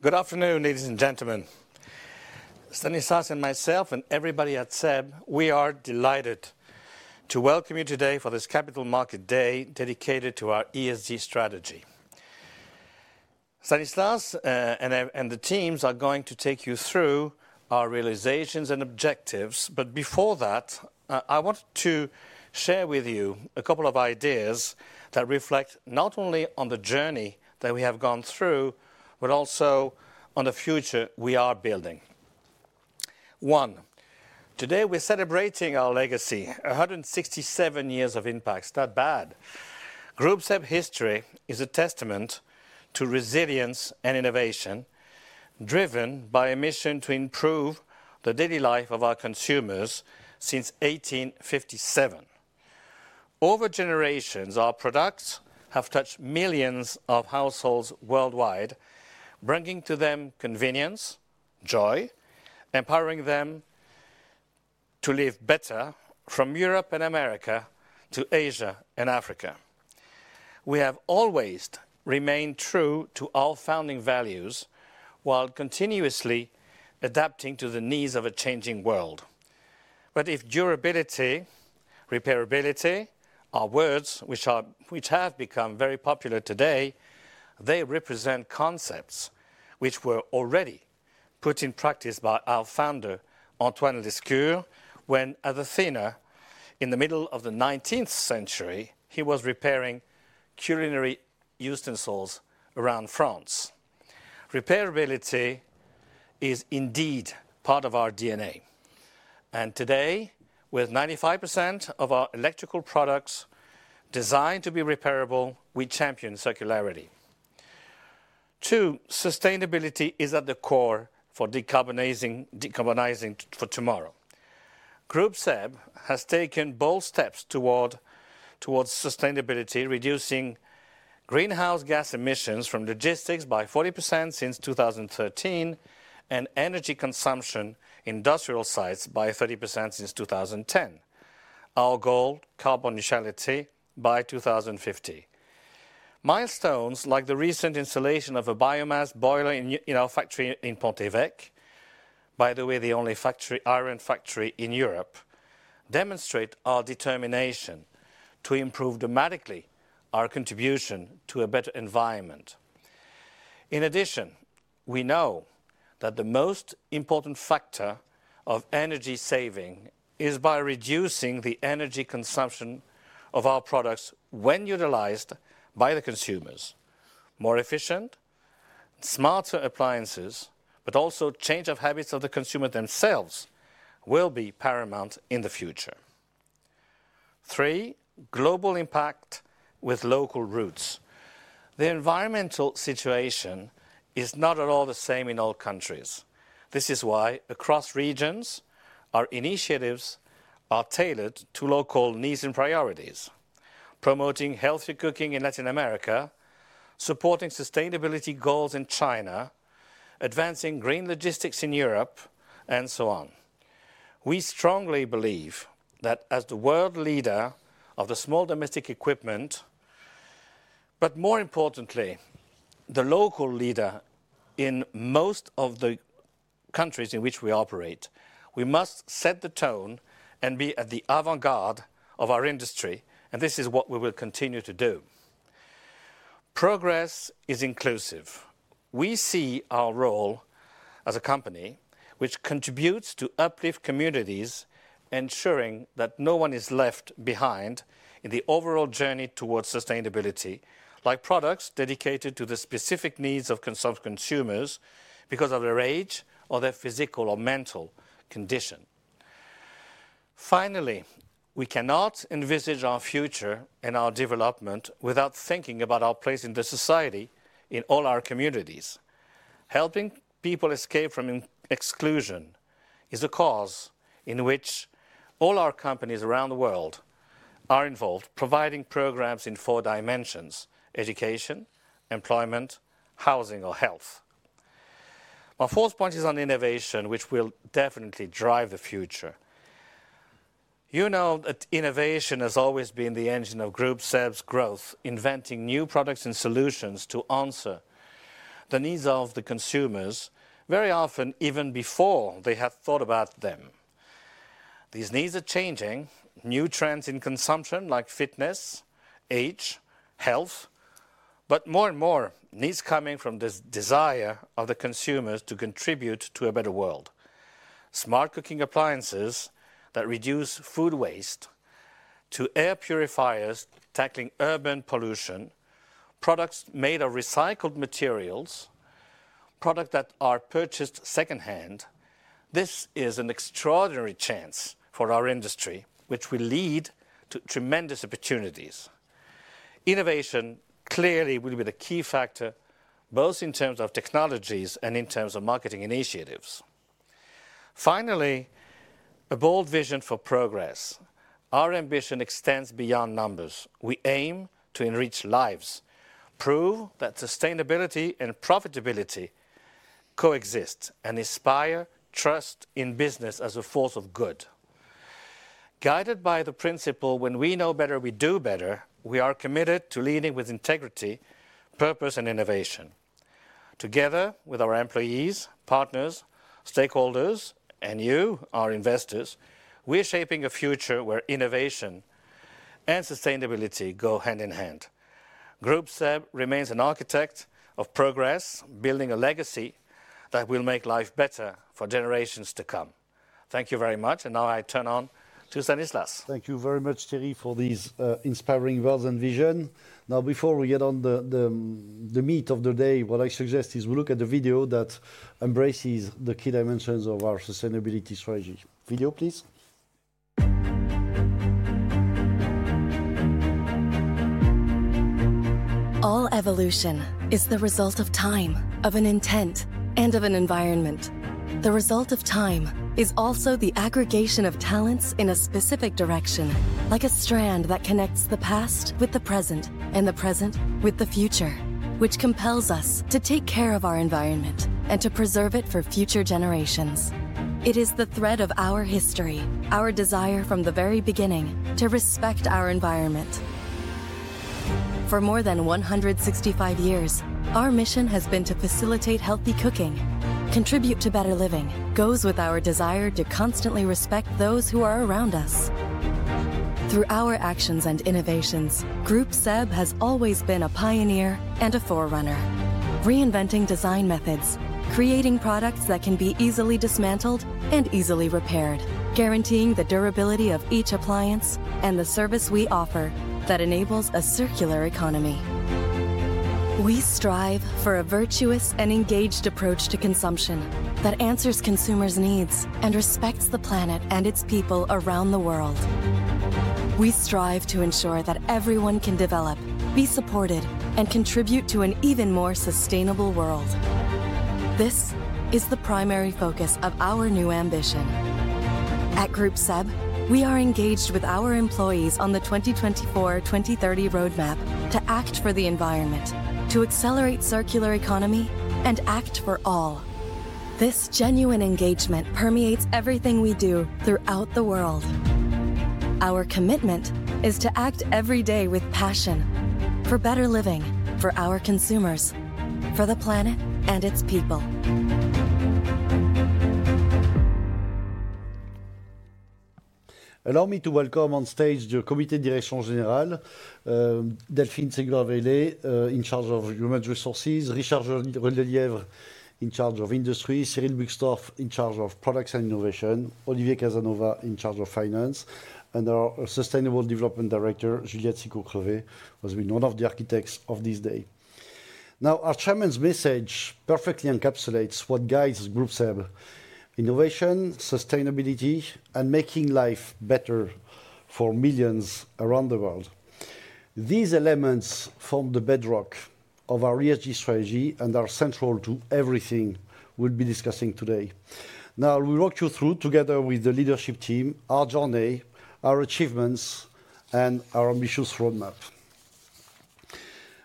Good afternoon, ladies and gentlemen. Stanislas and myself, and everybody at SEB, we are delighted to welcome you today for this Capital Market Day dedicated to our ESG strategy. Stanislas and the teams are going to take you through our realizations and objectives, but before that, I want to share with you a couple of ideas that reflect not only on the journey that we have gone through, but also on the future we are building. One, today we're celebrating our legacy: 167 years of impact. It's not bad. Groupe SEB history is a testament to resilience and innovation, driven by a mission to improve the daily life of our consumers since 1857. Over generations, our products have touched millions of households worldwide, bringing to them convenience, joy, empowering them to live better from Europe and America to Asia and Africa. We have always remained true to our founding values while continuously adapting to the needs of a changing world. But if durability, repairability, are words which have become very popular today, they represent concepts which were already put in practice by our founder, Antoine Lescure, when, as a tinner in the middle of the 19th century, he was repairing culinary utensils around France. Repairability is indeed part of our DNA. And today, with 95% of our electrical products designed to be repairable, we champion circularity. Two, sustainability is at the core for decarbonizing for tomorrow. Groupe SEB has taken bold steps towards sustainability, reducing greenhouse gas emissions from logistics by 40% since 2013, and energy consumption in industrial sites by 30% since 2010. Our goal: carbon neutrality by 2050. Milestones like the recent installation of a biomass boiler in our factory in Pont-Évêque, by the way, the only iron factory in Europe, demonstrate our determination to improve dramatically our contribution to a better environment. In addition, we know that the most important factor of energy saving is by reducing the energy consumption of our products when utilized by the consumers. More efficient, smarter appliances, but also change of habits of the consumers themselves will be paramount in the future. Three, global impact with local roots. The environmental situation is not at all the same in all countries. This is why across regions, our initiatives are tailored to local needs and priorities: promoting healthy cooking in Latin America, supporting sustainability goals in China, advancing green logistics in Europe, and so on. We strongly believe that as the world leader of the small domestic equipment, but more importantly, the local leader in most of the countries in which we operate, we must set the tone and be at the avant-garde of our industry, and this is what we will continue to do. Progress is inclusive. We see our role as a company which contributes to uplift communities, ensuring that no one is left behind in the overall journey towards sustainability, like products dedicated to the specific needs of consumers because of their age or their physical or mental condition. Finally, we cannot envisage our future and our development without thinking about our place in society in all our communities. Helping people escape from exclusion is a cause in which all our companies around the world are involved, providing programs in four dimensions: education, employment, housing, or health. My fourth point is on innovation, which will definitely drive the future. You know that innovation has always been the engine of Groupe SEB's growth, inventing new products and solutions to answer the needs of the consumers, very often even before they have thought about them. These needs are changing: new trends in consumption, like fitness, age, health, but more and more needs coming from this desire of the consumers to contribute to a better world. Smart cooking appliances that reduce food waste, to air purifiers tackling urban pollution, products made of recycled materials, products that are purchased secondhand. This is an extraordinary chance for our industry, which will lead to tremendous opportunities. Innovation clearly will be the key factor, both in terms of technologies and in terms of marketing initiatives. Finally, a bold vision for progress. Our ambition extends beyond numbers. We aim to enrich lives, prove that sustainability and profitability coexist, and inspire trust in business as a force of good. Guided by the principle, "When we know better, we do better," we are committed to leading with integrity, purpose, and innovation. Together with our employees, partners, stakeholders, and you, our investors, we are shaping a future where innovation and sustainability go hand in hand. Groupe SEB remains an architect of progress, building a legacy that will make life better for generations to come. Thank you very much, and now I turn on to Stanislas. Thank you very much, Thierry, for these inspiring words and vision. Now, before we get on the meat of the day, what I suggest is we look at the video that embraces the key dimensions of our sustainability strategy. Video, please. All evolution is the result of time, of an intent, and of an environment. The result of time is also the aggregation of talents in a specific direction, like a strand that connects the past with the present and the present with the future, which compels us to take care of our environment and to preserve it for future generations. It is the thread of our history, our desire from the very beginning to respect our environment. For more than 165 years, our mission has been to facilitate healthy cooking, contribute to better living, goes with our desire to constantly respect those who are around us. Through our actions and innovations, Groupe SEB has always been a pioneer and a forerunner, reinventing design methods, creating products that can be easily dismantled and easily repaired, guaranteeing the durability of each appliance and the service we offer that enables a circular economy. We strive for a virtuous and engaged approach to consumption that answers consumers' needs and respects the planet and its people around the world. We strive to ensure that everyone can develop, be supported, and contribute to an even more sustainable world. This is the primary focus of our new ambition. At Groupe SEB, we are engaged with our employees on the 2024-2030 roadmap to act for the environment, to accelerate circular economy, and act for all. This genuine engagement permeates everything we do throughout the world. Our commitment is to act every day with passion for better living for our consumers, for the planet and its people. Allow me to welcome on stage the Comité de Direction Générale, Delphine Segura-Vaylet, in charge of human resources, Richard Eloy, in charge of industry, Cyril Buxtorf, in charge of products and innovation, Olivier Casanova, in charge of finance, and our Sustainable Development Director, Juliette Sicot-Crevet, who has been one of the architects of this day. Now, our chairman's message perfectly encapsulates what guides Groupe SEB: innovation, sustainability, and making life better for millions around the world. These elements form the bedrock of our ESG strategy and are central to everything we'll be discussing today. Now, we'll walk you through, together with the leadership team, our journey, our achievements, and our ambitious roadmap.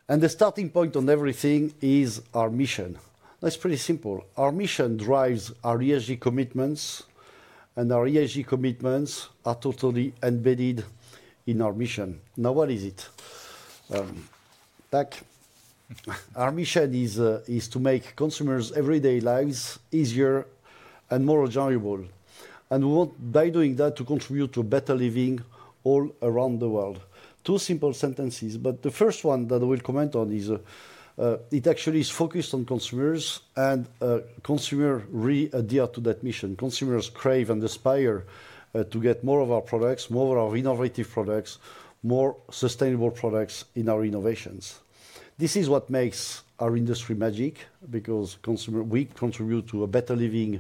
And the starting point on everything is our mission. That's pretty simple. Our mission drives our ESG commitments, and our ESG commitments are totally embedded in our mission. Now, what is it? Back. Our mission is to make consumers' everyday lives easier and more enjoyable, and we want, by doing that, to contribute to better living all around the world. Two simple sentences, but the first one that I will comment on is it actually is focused on consumers, and consumers really adhere to that mission. Consumers crave and aspire to get more of our products, more of our innovative products, more sustainable products in our innovations. This is what makes our industry magic because we contribute to a better living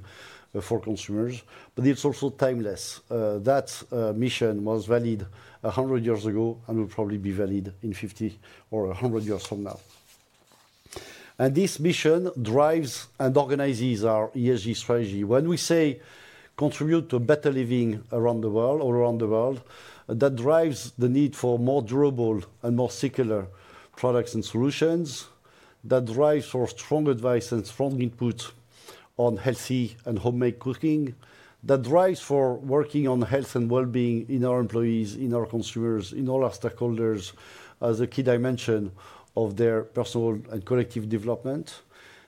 for consumers, but it's also timeless. That mission was valid 100 years ago and will probably be valid in 50 or 100 years from now, and this mission drives and organizes our ESG strategy. When we say contribute to better living around the world, all around the world, that drives the need for more durable and more circular products and solutions. That drives for strong advice and strong input on healthy and homemade cooking. That drives for working on health and well-being in our employees, in our consumers, in all our stakeholders as a key dimension of their personal and collective development.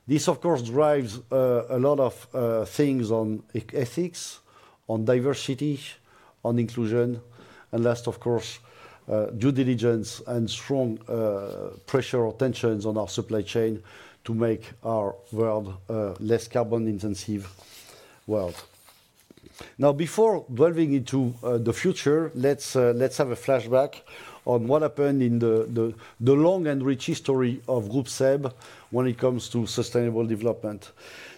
This, of course, drives a lot of things on ethics, on diversity, on inclusion, and last, of course, due diligence and strong pressure or tensions on our supply chain to make our world a less carbon-intensive world. Now, before delving into the future, let's have a flashback on what happened in the long and rich history of Groupe SEB when it comes to sustainable development.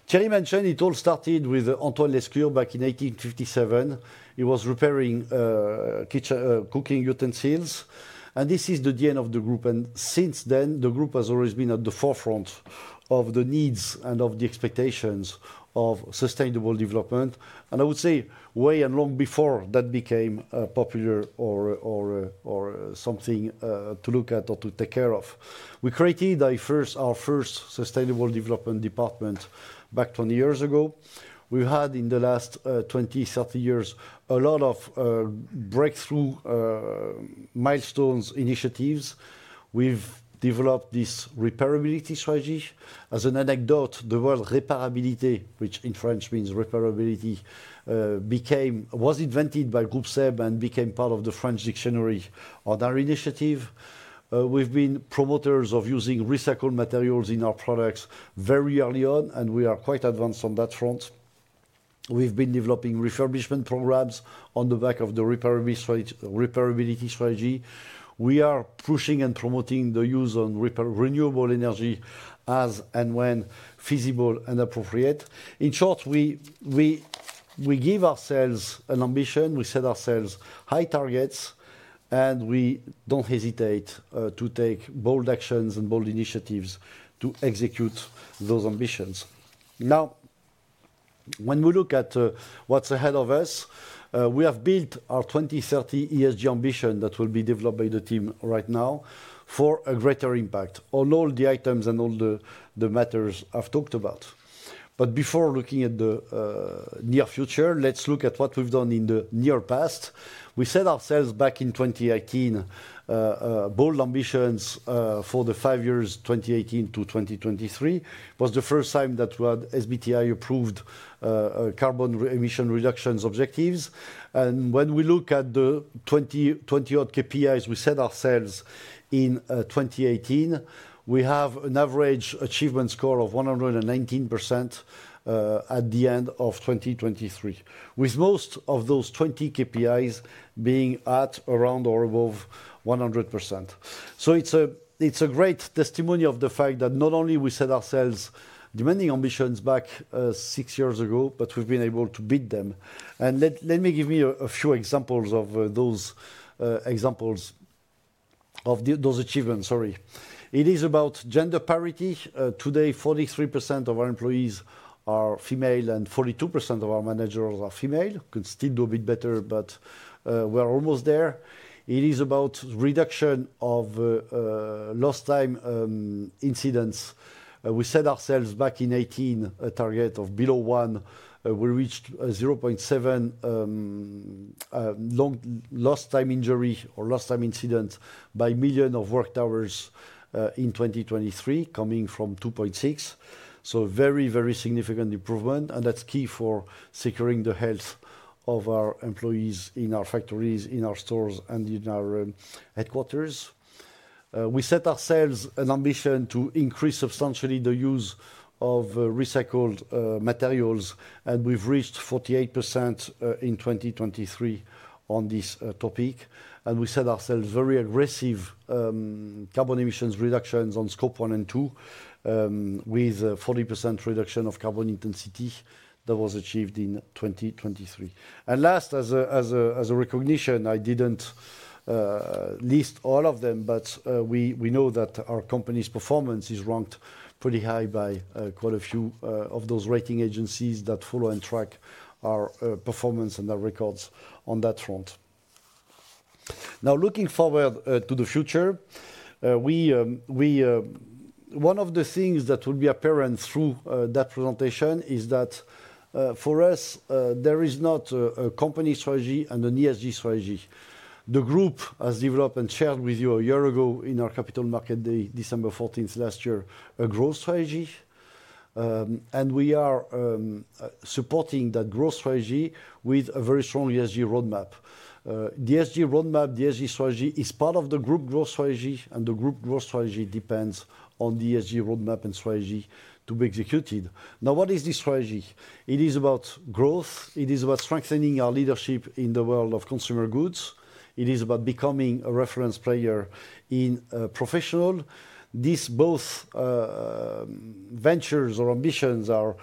Thierry mentioned it all started with Antoine Lescure back in 1857. He was repairing cooking utensils, and this is the DNA of the group. Since then, the group has always been at the forefront of the needs and of the expectations of sustainable development. I would say way and long before that became popular or something to look at or to take care of. We created our first sustainable development department back 20 years ago. We've had, in the last 20, 30 years, a lot of breakthrough milestones, initiatives. We've developed this repairability strategy. As an anecdote, the word repairabilité, which in French means repairability, was invented by Group SEB and became part of the French dictionary on our initiative. We've been promoters of using recycled materials in our products very early on, and we are quite advanced on that front. We've been developing We set ourselves back in 2018 bold ambitions for the five years, 2018-2023. It was the first time that we had SBTi approved carbon emission reductions objectives. And when we look at the 2020 KPIs we set ourselves in 2018, we have an average achievement score of 119% at the end of 2023, with most of those 20 KPIs being at around or above 100%. So it's a great testimony of the fact that not only we set ourselves demanding ambitions back six years ago, but we've been able to beat them. And let me give you a few examples of those achievements. Sorry. It is about gender parity. Today, 43% of our employees are female and 42% of our managers are female. Could still do a bit better, but we're almost there. It is about reduction of lost time incidents. We set ourselves back in 2018 a target of below one. We reached 0.7 lost time injury or lost time incidents by a million of work hours in 2023, coming from 2.6. Very, very significant improvement. That's key for securing the health of our employees in our factories, in our stores, and in our headquarters. We set ourselves an ambition to increase substantially the use of recycled materials, and we've reached 48% in 2023 on this topic. We set ourselves very aggressive carbon emissions reductions on Scope 1 and 2, with a 40% reduction of carbon intensity that was achieved in 2023. Last, as a recognition, I didn't list all of them, but we know that our company's performance is ranked pretty high by quite a few of those rating agencies that follow and track our performance and our records on that front. Now, looking forward to the future, one of the things that will be apparent through that presentation is that for us, there is not a company strategy and an ESG strategy. The group has developed and shared with you a year ago in our capital market day, December 14th last year, a growth strategy. We are supporting that growth strategy with a very strong ESG roadmap. The ESG roadmap, the ESG strategy is part of the group growth strategy, and the group growth strategy depends on the ESG roadmap and strategy to be executed. Now, what is this strategy? It is about growth. It is about strengthening our leadership in the world of consumer goods. It is about becoming a reference player in professional. These both ventures or ambitions are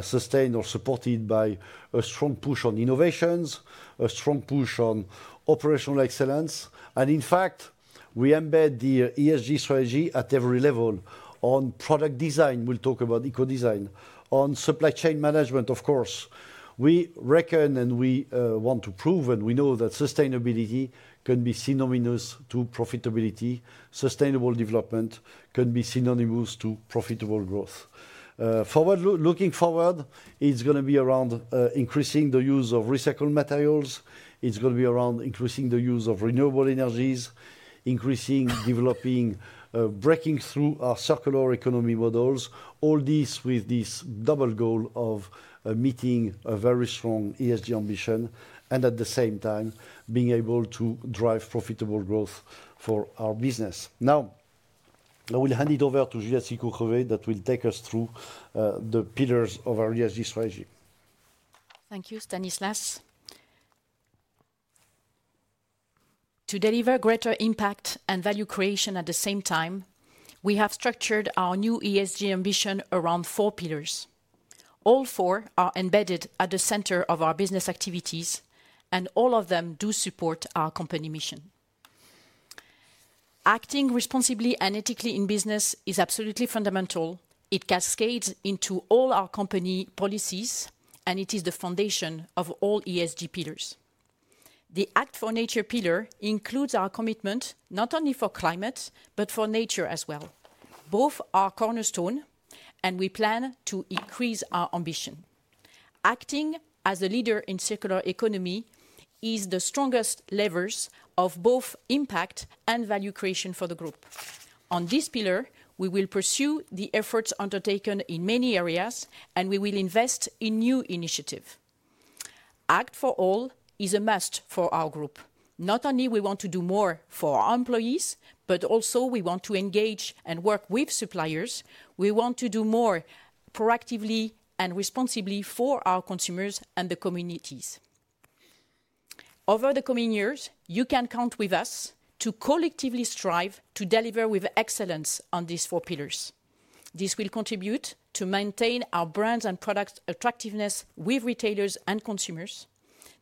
sustained or supported by a strong push on innovations, a strong push on operational excellence. In fact, we embed the ESG strategy at every level on product design. We'll talk about eco-design, on supply chain management, of course. We reckon and we want to prove, and we know that sustainability can be synonymous to profitability. Sustainable development can be synonymous to profitable growth. Looking forward, it's going to be around increasing the use of recycled materials. It's going to be around increasing the use of renewable energies, increasing, developing, breaking through our circular economy models, all these with this double goal of meeting a very strong ESG ambition and at the same time being able to drive profitable growth for our business. Now, I will hand it over to Juliette Sicot-Crevet that will take us through the pillars of our ESG strategy. Thank you, Stanislas. To deliver greater impact and value creation at the same time, we have structured our new ESG ambition around four pillars. All four are embedded at the center of our business activities, and all of them do support our company mission. Acting responsibly and ethically in business is absolutely fundamental. It cascades into all our company policies, and it is the foundation of all ESG pillars. The Act for Nature pillar includes our commitment not only for climate, but for nature as well. Both are cornerstone, and we plan to increase our ambition. Acting as a leader in circular economy is the strongest levers of both impact and value creation for the group. On this pillar, we will pursue the efforts undertaken in many areas, and we will invest in new initiatives. Act for All is a must for our group. Not only do we want to do more for our employees, but also we want to engage and work with suppliers. We want to do more proactively and responsibly for our consumers and the communities. Over the coming years, you can count on us to collectively strive to deliver with excellence on these four pillars. This will contribute to maintain our brands and product attractiveness with retailers and consumers.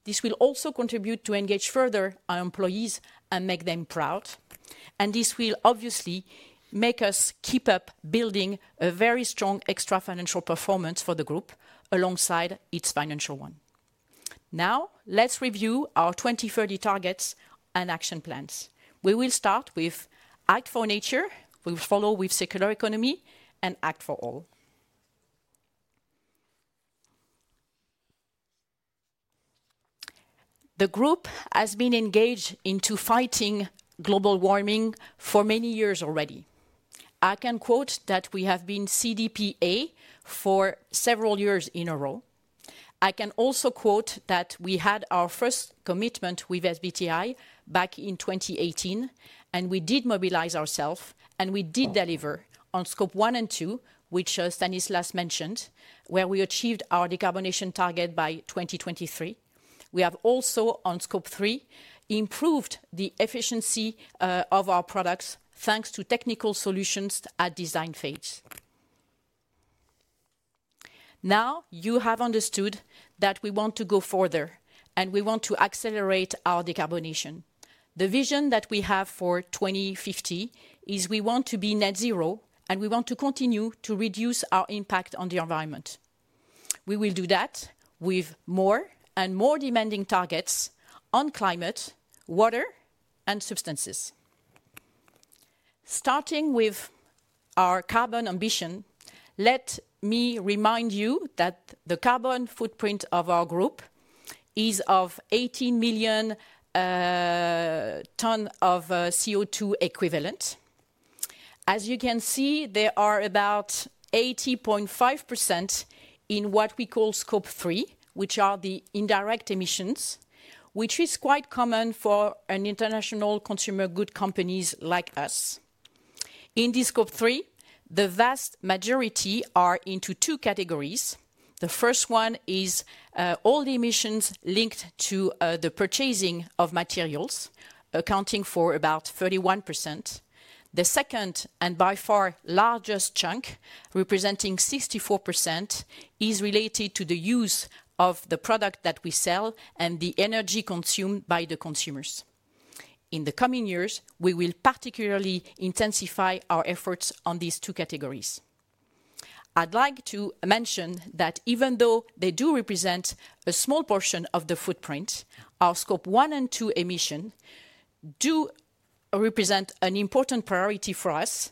This will also contribute to engage further our employees and make them proud, and this will obviously make us keep up building a very strong extra financial performance for the group alongside its financial one. Now, let's review our 2030 targets and action plans. We will start with Act for Nature. We'll follow with Circular Economy and Act for All. The group has been engaged in fighting global warming for many years already. I can quote that we have been CDP for several years in a row. I can also quote that we had our first commitment with SBTi back in 2018, and we did mobilize ourselves, and we did deliver on Scope 1 and 2, which Stanislas mentioned, where we achieved our decarbonation target by 2023. We have also, on Scope 3, improved the efficiency of our products thanks to technical solutions at design phase. Now, you have understood that we want to go further, and we want to accelerate our decarbonation. The vision that we have for 2050 is we want to be net zero, and we want to continue to reduce our impact on the environment. We will do that with more and more demanding targets on climate, water, and substances. Starting with our carbon ambition, let me remind you that the carbon footprint of our group is of 18 million tons of CO2 equivalent. As you can see, there are about 80.5% in what we call Scope 3, which are the indirect emissions, which is quite common for international consumer goods companies like us. In this Scope 3, the vast majority are into two categories. The first one is all the emissions linked to the purchasing of materials, accounting for about 31%. The second and by far largest chunk, representing 64%, is related to the use of the product that we sell and the energy consumed by the consumers. In the coming years, we will particularly intensify our efforts on these two categories. I'd like to mention that even though they do represent a small portion of the footprint, our Scope 1 and 2 emissions do represent an important priority for us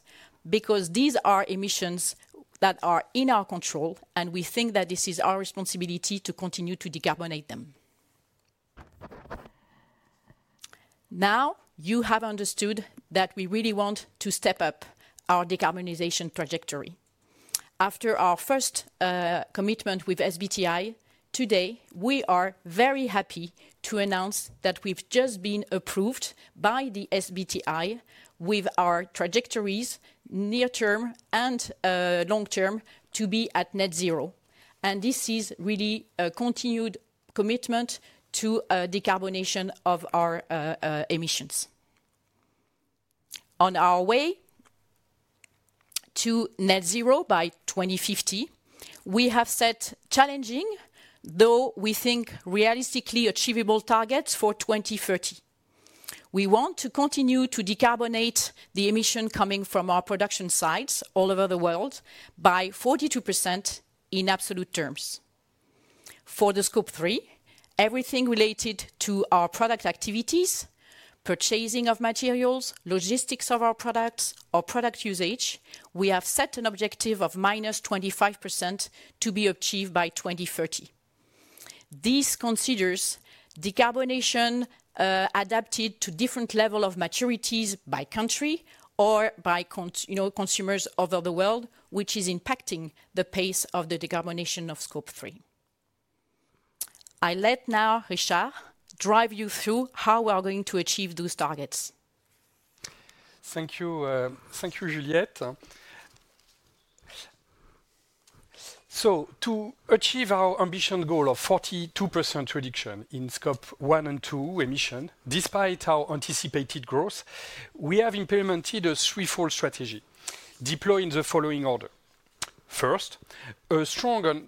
because these are emissions that are in our control, and we think that this is our responsibility to continue to decarbonate them. Now, you have understood that we really want to step up our decarbonization trajectory. After our first commitment with SBTi, today, we are very happy to announce that we've just been approved by the SBTi with our trajectories near-term and long-term to be at net zero. And this is really a continued commitment to decarbonation of our emissions. On our way to net zero by 2050, we have set challenging, though we think realistically achievable targets for 2030. We want to continue to decarbonate the emissions coming from our production sites all over the world by 42% in absolute terms. For Scope 3, everything related to our product activities, purchasing of materials, logistics of our products, or product usage, we have set an objective of -25% to be achieved by 2030. This considers decarbonation adapted to different levels of maturities by country or by consumers over the world, which is impacting the pace of the decarbonation of Scope 3. I'll let now Richard Eloy drive you through how we are going to achieve those targets. Thank you, Juliette. To achieve our ambitious goal of 42% reduction in Scope 1 and 2 emissions, despite our anticipated growth, we have implemented a threefold strategy, deployed in the following order. First, a strong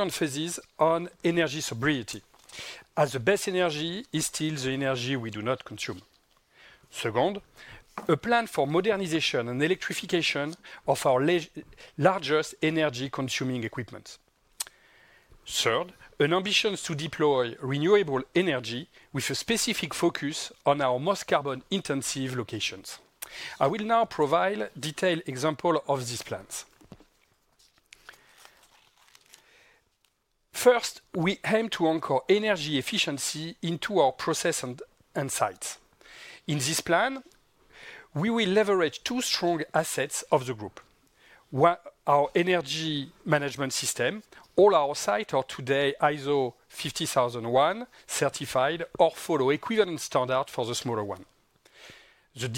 emphasis on energy sobriety, as the best energy is still the energy we do not consume. Second, a plan for modernization and electrification of our largest energy-consuming equipment. Third, an ambition to deploy renewable energy with a specific focus on our most carbon-intensive locations. I will now provide detailed examples of these plans. First, we aim to anchor energy efficiency into our process and sites. In this plan, we will leverage two strong assets of the group: our energy management system. All our sites are today ISO 50001 certified or follow equivalent standards for the smaller one. The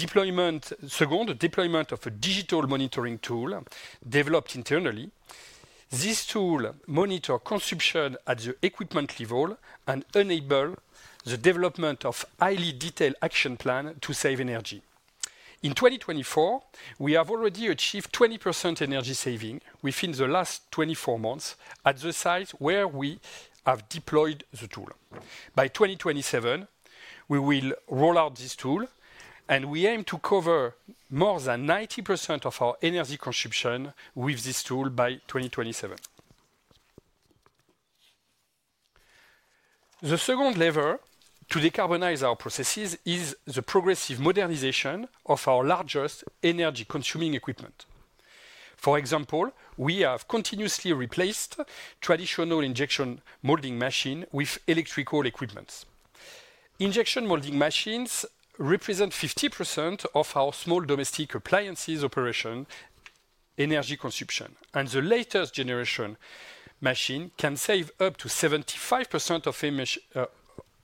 second, the deployment of a digital monitoring tool developed internally. This tool monitors consumption at the equipment level and enables the development of a highly detailed action plan to save energy. In 2024, we have already achieved 20% energy saving within the last 24 months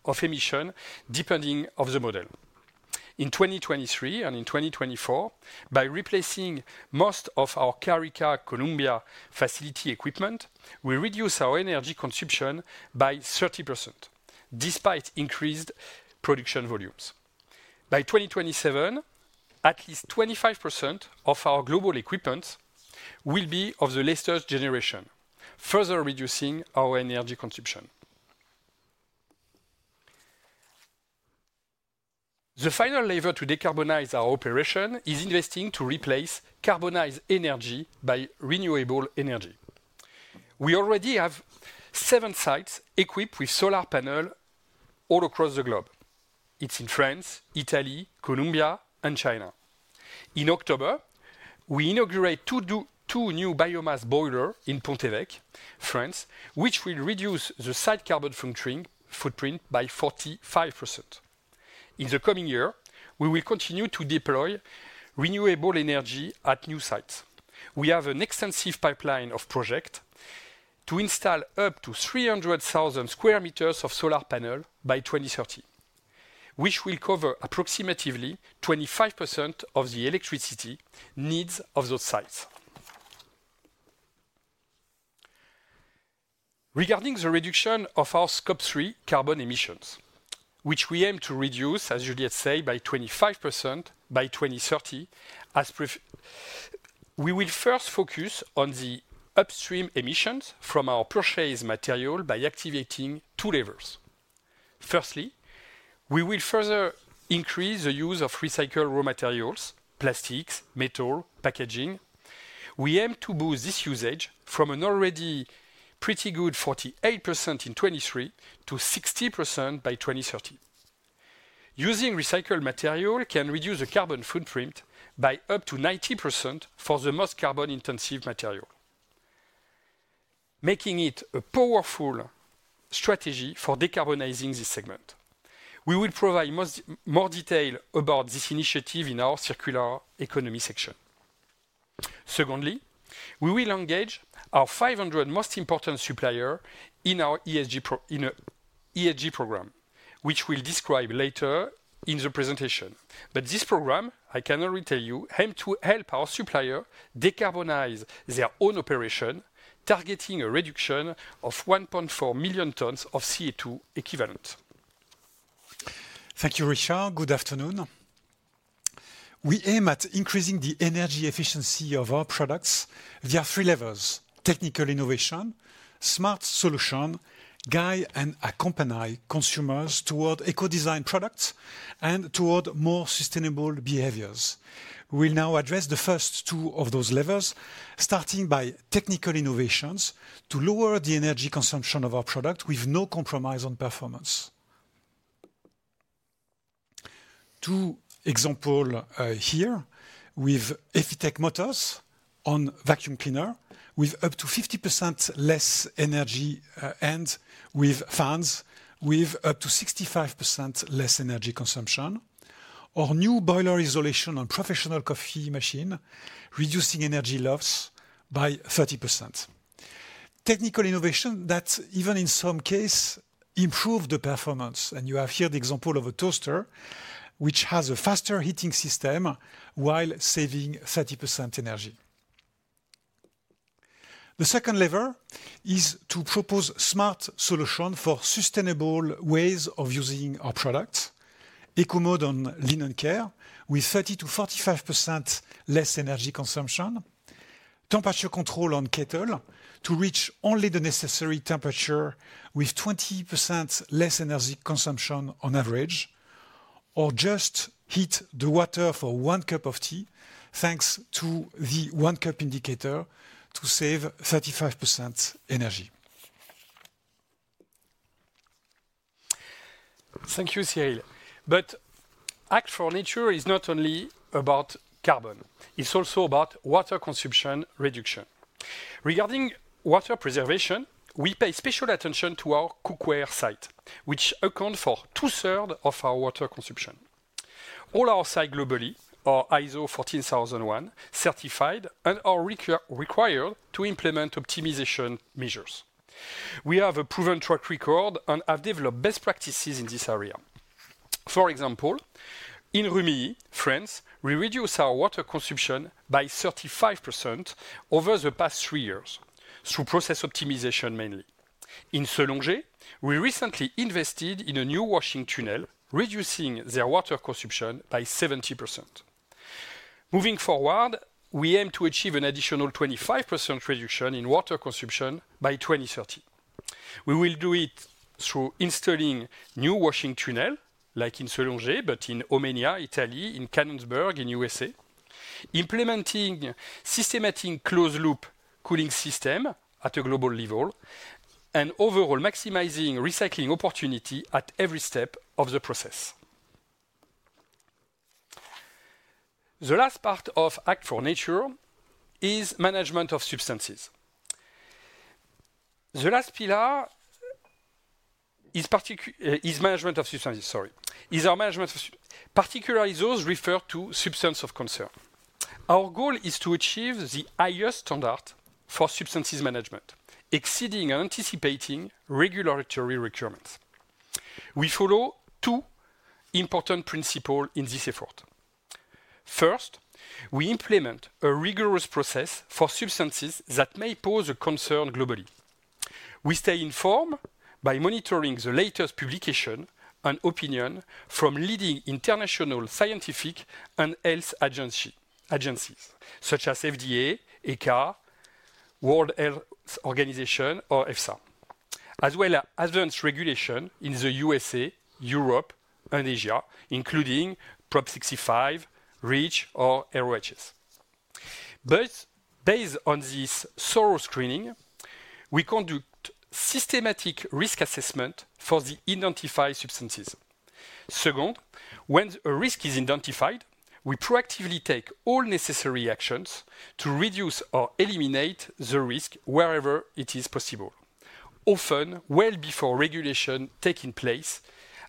at the sites where we have deployed the tool. By 2027, we will roll out this tool, and we aim to cover more than 90% of our energy consumption with this tool by 2027. The second lever to decarbonize our processes is the progressive modernization of our largest energy-consuming equipment. For example, we have continuously replaced traditional injection molding machines with electrical equipment. Injection molding machines represent 50% of our small domestic technical innovation, smart solutions, guide and accompany consumers toward eco-design products, and toward more sustainable behaviors. We'll now address the first two of those levers, starting by technical innovations to lower the energy consumption of our products with no compromise on performance. Two examples here with Effitech Motors on vacuum cleaners, with up to 50% less energy and with fans with up to 65% less energy consumption, or new boiler isolation on professional coffee machines, reducing energy loss by 30%. Technical innovations that, even in some cases, improve the performance, and you have here the example of a toaster which has a faster heating system while saving 30% energy. The second lever is to propose smart solutions for sustainable ways of using our products. EcoMode on linen care, with 30%-45% less energy consumption. Temperature control on kettles to reach only the necessary temperature with 20% less energy consumption on average. Or just heat the water for one cup of tea thanks to the one-cup indicator to save 35% energy. Thank you, Stanislas. referred to as substances of concern. Our goal is to achieve the highest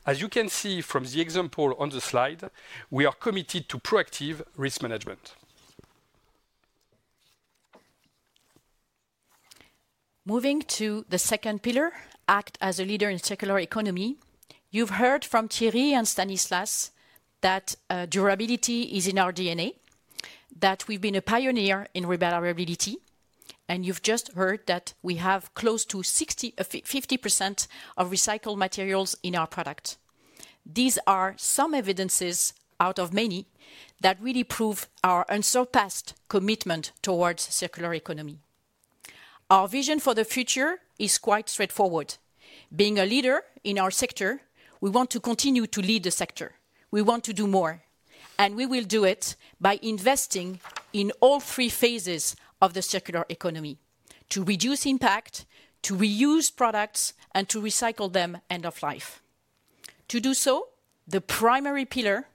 As you can see from the example on the slide, we are committed to proactive risk management. Moving to the second pillar, Act as a leader in circular economy. You've heard from Thierry and Stanislas that durability is in our DNA, that we've been a pioneer in repairability, and you've just heard that we have close to 50% of recycled materials in our products. These are some evidence, out of many, that really prove our unsurpassed commitment towards circular economy. Our vision for the future is quite straightforward. Being a leader in our sector, we want to continue to lead the sector. We want to do more, and we will do it by investing in all three phases of the circular economy: to reduce impact, to reuse products, and to recycle them end of life. To do so, the primary pillar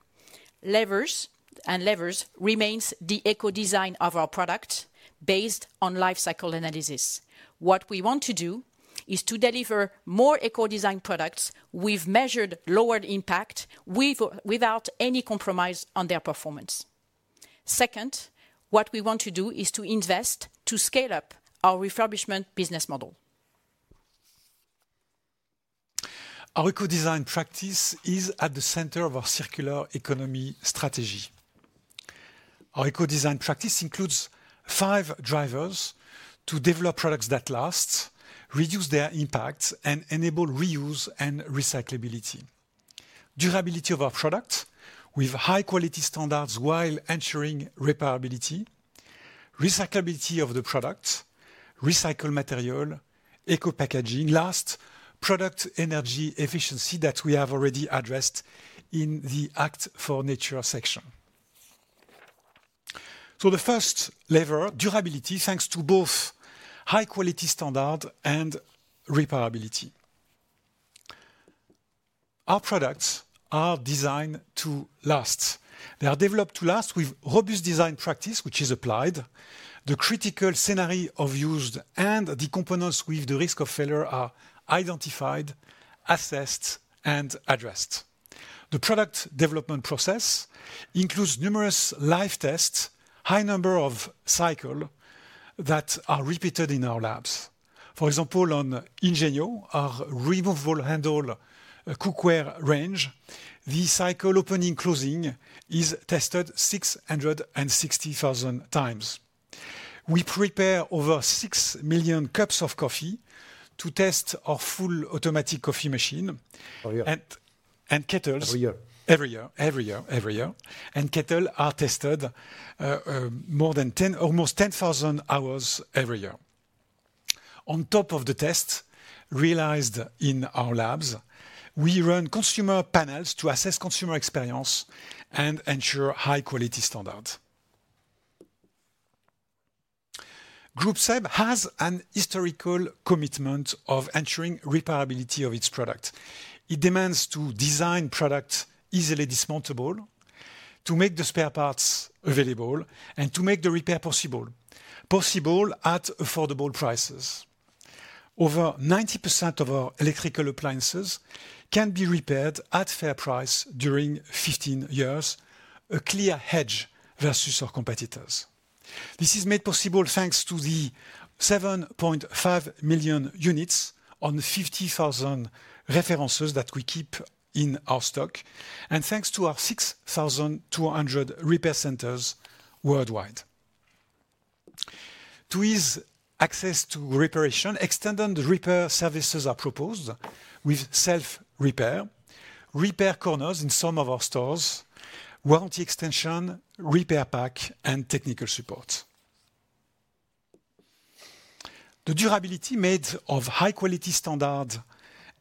and levers remains the eco-design of our products based on life cycle analysis. What we want to do is to deliver more eco-design products with measured lowered impact without any compromise on their performance. Second, what we want to do is to invest to scale up our refurbishment business model. Our eco-design practice is at the center of our circular economy strategy. Our eco-design practice includes five drivers to develop products that last, reduce their impact, and enable reuse and recyclability: durability of our products with high-quality standards while ensuring repairability, recyclability of the products, recycled materials, eco-packaging, last, product energy efficiency that we have already addressed in the Act for Nature section. So the first lever, durability, thanks to both high-quality standards and repairability. Our products are designed to last. They are developed to last with robust design practice, which is applied. The critical scenario of use and the components with the risk of failure are identified, assessed, and addressed. The product development process includes numerous live tests, a high number of cycles that are repeated in our labs. For example, on Ingenio, our removable handle cookware range, the cycle opening-closing is tested 660,000 times. We prepare over six million cups of coffee to test our fully automatic coffee machine and kettles. Every year. Every year. And kettles are tested more than 10, almost 10,000 hours every year. On top of the tests realized in our labs, we run consumer panels to assess consumer experience and ensure high-quality standards. Groupe SEB has an historical commitment of ensuring repairability of its products. It demands to design products easily dismantlable, to make the spare parts available, and to make the repair possible at affordable prices. Over 90% of our electrical appliances can be repaired at fair price during 15 years, a clear hedge versus our competitors. This is made possible thanks to the 7.5 million units on 50,000 references that we keep in our stock, and thanks to our 6,200 repair centers worldwide. To ease access to repair, extended repair services are proposed with self-repair, repair corners in some of our stores, warranty extension, repair pack, and technical support. The durability made of high-quality standards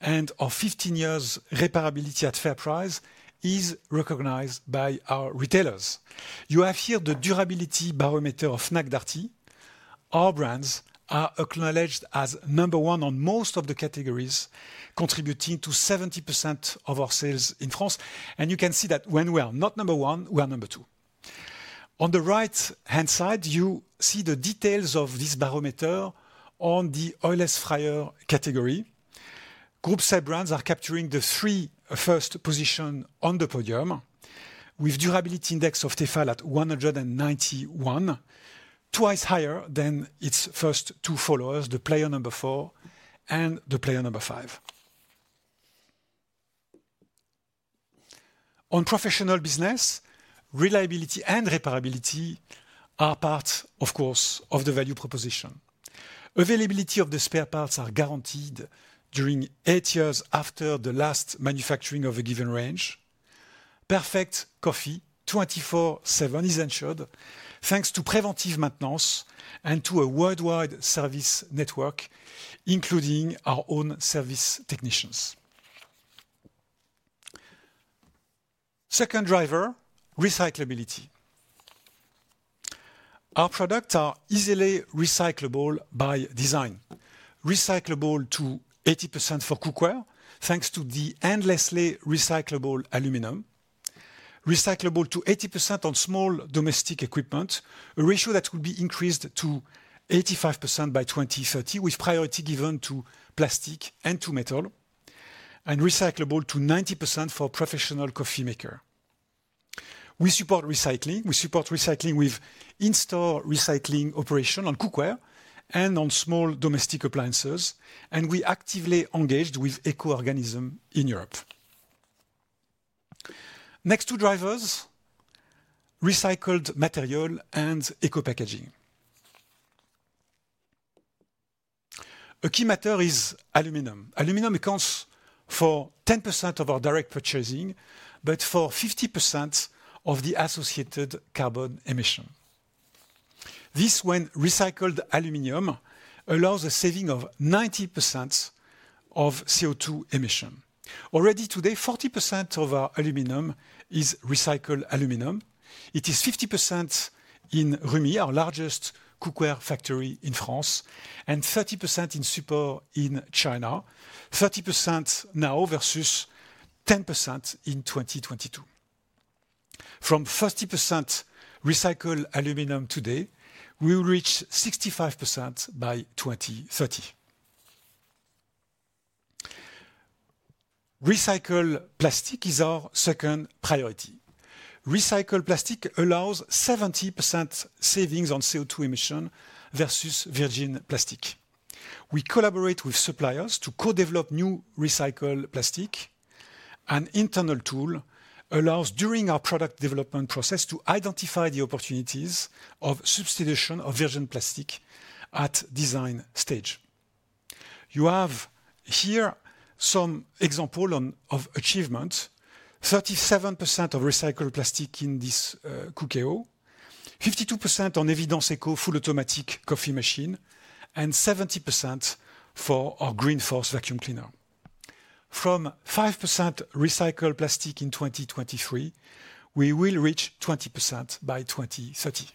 and of 15 years repairability at fair price is recognized by our retailers. You have here the durability barometer of Fnac Darty. Our brands are acknowledged as number one on most of the categories, contributing to 70% of our sales in France. And you can see that when we are not number one, we are number two. On the right-hand side, you see the details of this barometer on the oil-less fryer category. Groupe SEB brands are capturing the three first positions on the podium with a durability index of Tefal at 191, twice higher than its first two followers, the player number four and the player number five. On professional business, reliability and repairability are part, of course, of the value proposition. Availability of the spare parts is guaranteed during eight years after the last manufacturing of a given range. Perfect coffee, 24/7, is ensured thanks to preventive maintenance and to a worldwide service network, including our own service technicians. Second driver, recyclability. Our products are easily recyclable by design, recyclable to 80% for cookware thanks to the endlessly recyclable aluminum, recyclable to 80% on small domestic equipment, a ratio that will be increased to 85% by 2030, with priority given to plastic and to metal, and recyclable to 90% for professional coffee makers. We support recycling. We support recycling with in-store recycling operations on cookware and on small domestic appliances, and we are actively engaged with eco-organizations in Europe. Next two drivers, recycled materials and eco-packaging. A key matter is aluminum. Aluminum accounts for 10% of our direct purchasing, but for 50% of the associated carbon emissions. This, when recycled aluminum, allows a saving of 90% of CO2 emissions. Already today, 40% of our aluminum is recycled aluminum. It is 50% in Rumilly, our largest cookware factory in France, and 30% in Supor in China, 30% now versus 10% in 2022. From 50% recycled aluminum today, we will reach 65% by 2030. Recycled plastic is our second priority. Recycled plastic allows 70% savings on CO2 emissions versus virgin plastic. We collaborate with suppliers to co-develop new recycled plastics. An internal tool allows, during our product development process, to identify the opportunities of substitution of virgin plastic at the design stage. You have here some examples of achievements: 37% of recycled plastic in this Cookeo, 52% on Evidence Eco full automatic coffee machine, and 70% for our Green Force vacuum cleaner. From 5% recycled plastic in 2023, we will reach 20% by 2030.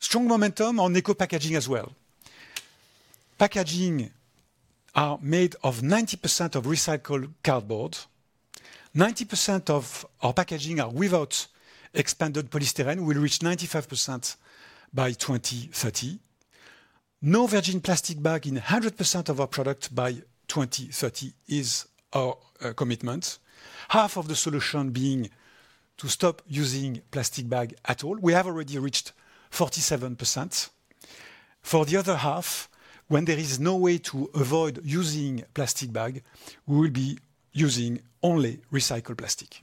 Strong momentum on eco-packaging as well. Packaging is made of 90% recycled cardboard. 90% of our packaging is without expanded polystyrene. We will reach 95% by 2030. No virgin plastic bag in 100% of our products by 2030 is our commitment, half of the solution being to stop using plastic bags at all. We have already reached 47%. For the other half, when there is no way to avoid using plastic bags, we will be using only recycled plastic.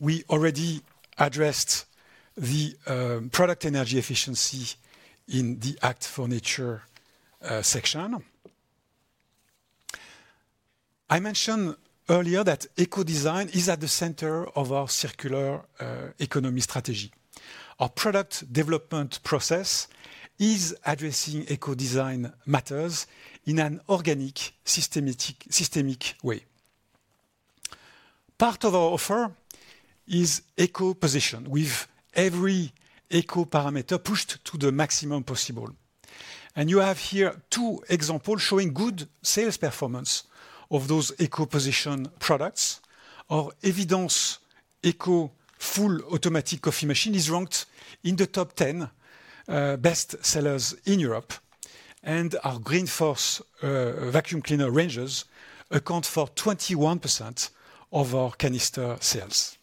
We already addressed the product energy efficiency in the Act for Nature section. I mentioned earlier that eco-design is at the center of our circular economy strategy. Our product development process is addressing eco-design matters in an organic, systemic way. Part of our offer is eco-position, with every eco-parameter pushed to the maximum possible, and you have here two examples showing good sales performance of those eco-position products. Our Evidence Eco fully automatic coffee machine is ranked in the top 10 best sellers in Europe, and our Green Force vacuum cleaner ranges account for 21% of our canister sales.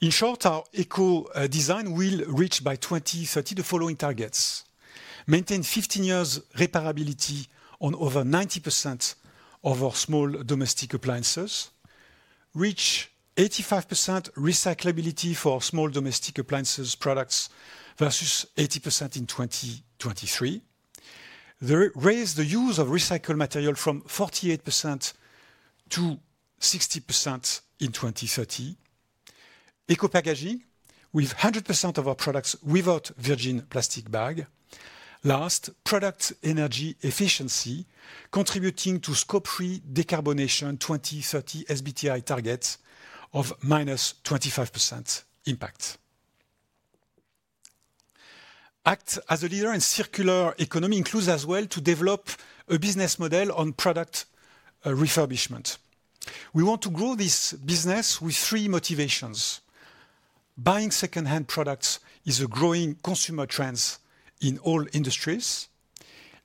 In short, our eco-design will reach by 2030 the following targets: maintain 15 years repairability on over 90% of our small domestic appliances, reach 85% recyclability for our small domestic appliances products versus 80% in 2023, raise the use of recycled materials from 48%-60% in 2030, eco-packaging with 100% of our products without virgin plastic bags, last, product energy efficiency, contributing to Scope 3 decarbonization 2030 SBTi targets of minus 25% impact. Acting as a leader in circular economy includes as well to develop a business model on product refurbishment. We want to grow this business with three motivations. Buying second-hand products is a growing consumer trend in all industries.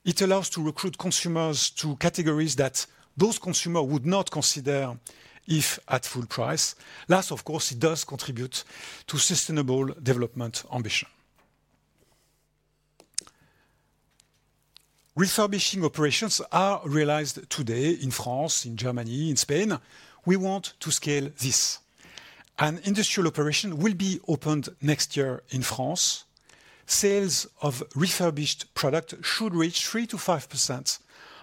It allows us to recruit consumers to categories that those consumers would not consider if at full price. Last, of course, it does contribute to sustainable development ambition. Refurbishing operations are realized today in France, in Germany, in Spain. We want to scale this. An industrial operation will be opened next year in France. Sales of refurbished products should reach 3%-5%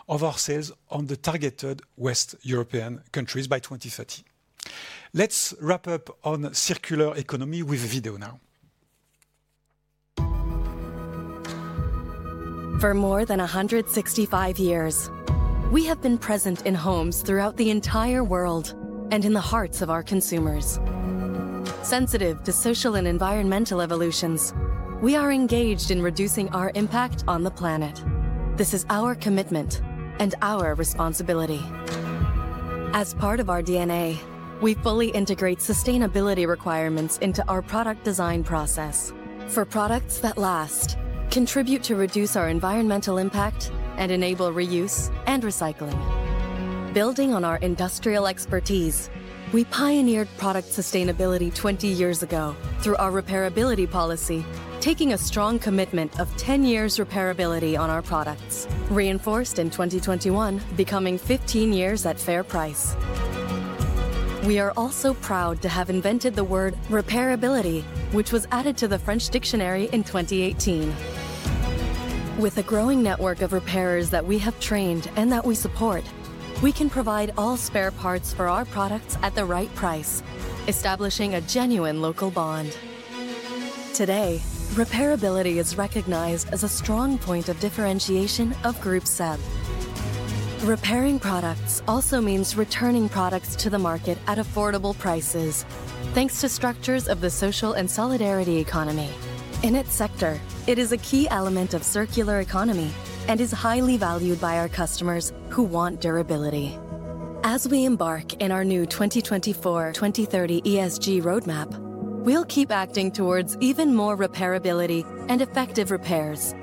of our sales in the targeted West European countries by 2030. Let's wrap up on circular economy with a video now. For more than 165 years, we have been present in homes throughout the entire world and in the hearts of our consumers. Sensitive to social and environmental evolutions, we are engaged in reducing our impact on the planet. This is our commitment and our responsibility. As part of our DNA, we fully integrate sustainability requirements into our product design process for products that last, contribute to reduce our environmental impact, and enable reuse and recycling. Building on our industrial expertise, we pioneered product sustainability 20 years ago through our repairability policy, taking a strong commitment of 10 years repairability on our products, reinforced in 2021, becoming 15 years at fair price. We are also proud to have invented the word repairability, which was added to the French dictionary in 2018. With a growing network of repairers that we have trained and that we support, we can provide all spare parts for our products at the right price, establishing a genuine local bond. Today, repairability is recognized as a strong point of differentiation of Groupe SEB. Repairing products also means returning products to the market at affordable prices, thanks to structures of the social and solidarity economy. In its sector, it is a key element of circular economy and is highly valued by our customers who want durability. As we embark on our new 2024-2030 ESG roadmap, we'll keep acting towards even more repairability and effective repairs,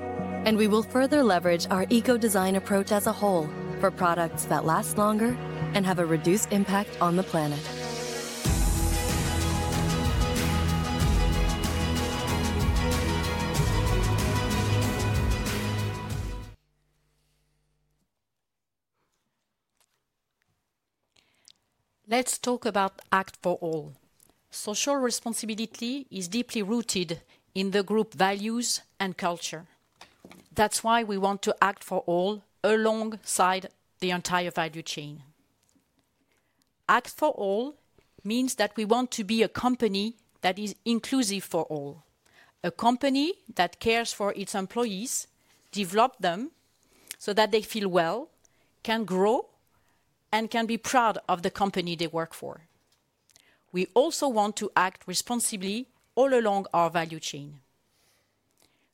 and we will further leverage our eco-design approach as a whole for products that last longer and have a reduced impact on the planet. Let's talk about Act for All. Social responsibility is deeply rooted in the group values and culture. That's why we want to act for all alongside the entire value chain. Act for All means that we want to be a company that is inclusive for all, a company that cares for its employees, develops them so that they feel well, can grow, and can be proud of the company they work for. We also want to act responsibly all along our value chain.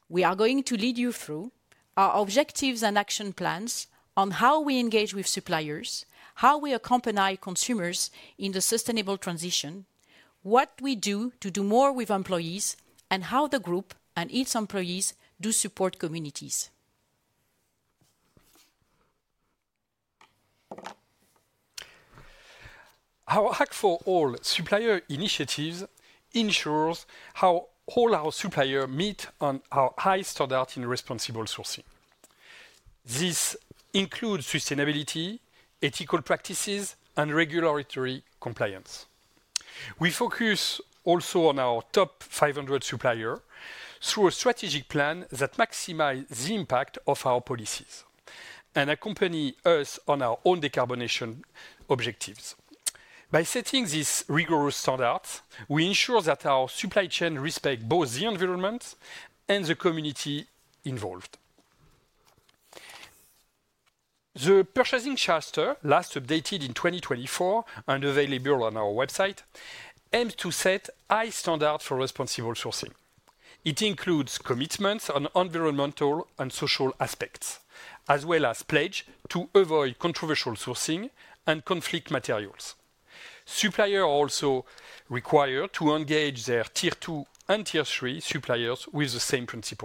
We are going to lead you through our objectives and action plans on how we engage with suppliers, how we accompany consumers in the sustainable transition, what we do to do more with employees, and how the group and its employees do support communities. Our Act for All supplier initiatives ensure that all our suppliers meet our high standards in responsible sourcing. This includes sustainability, ethical practices, and regulatory compliance. We focus also on our top 500 suppliers through a strategic plan that maximizes the impact of our policies and accompanies us on our own decarbonization objectives. By setting these rigorous standards, we ensure that our supply chain respects both the environment and the community involved. The Purchasing Charter, last updated in 2024 and available on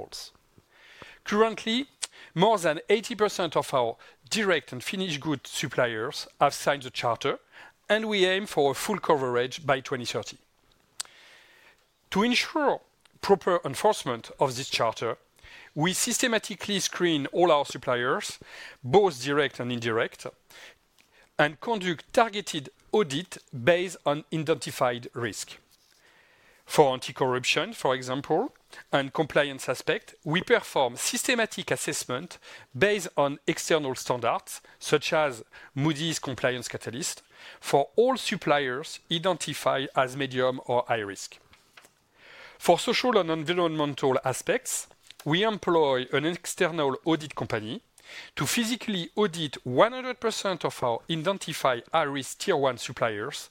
physically audit 100% of our identified high-risk tier one suppliers,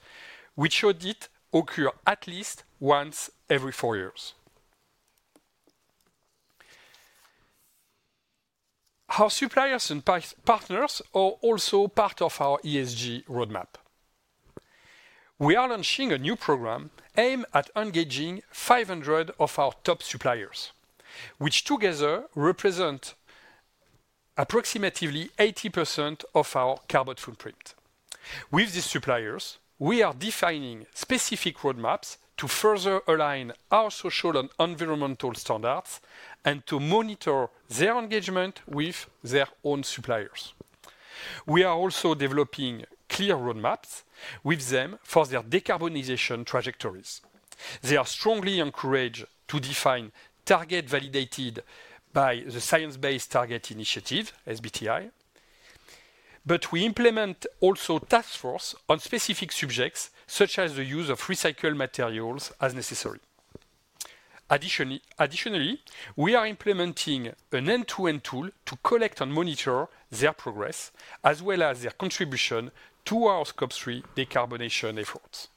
which audits occur at least once every four years. Our suppliers and partners are also part of our ESG roadmap. We are launching a new program aimed at engaging 500 of our top suppliers, which together represent approximately 80% of our carbon footprint. With these suppliers, we are defining specific roadmaps to further align our social and environmental standards and to monitor their engagement with their own suppliers. We are also developing clear roadmaps with them for their decarbonization trajectories. They are strongly encouraged to define targets validated by the Science Based Targets initiative, SBTi, but we implement also task forces on specific subjects such as the use of recycled materials as necessary. Additionally, we are implementing an end-to-end tool to collect and monitor their progress as well as their contribution to our Scope 3 decarbonization efforts.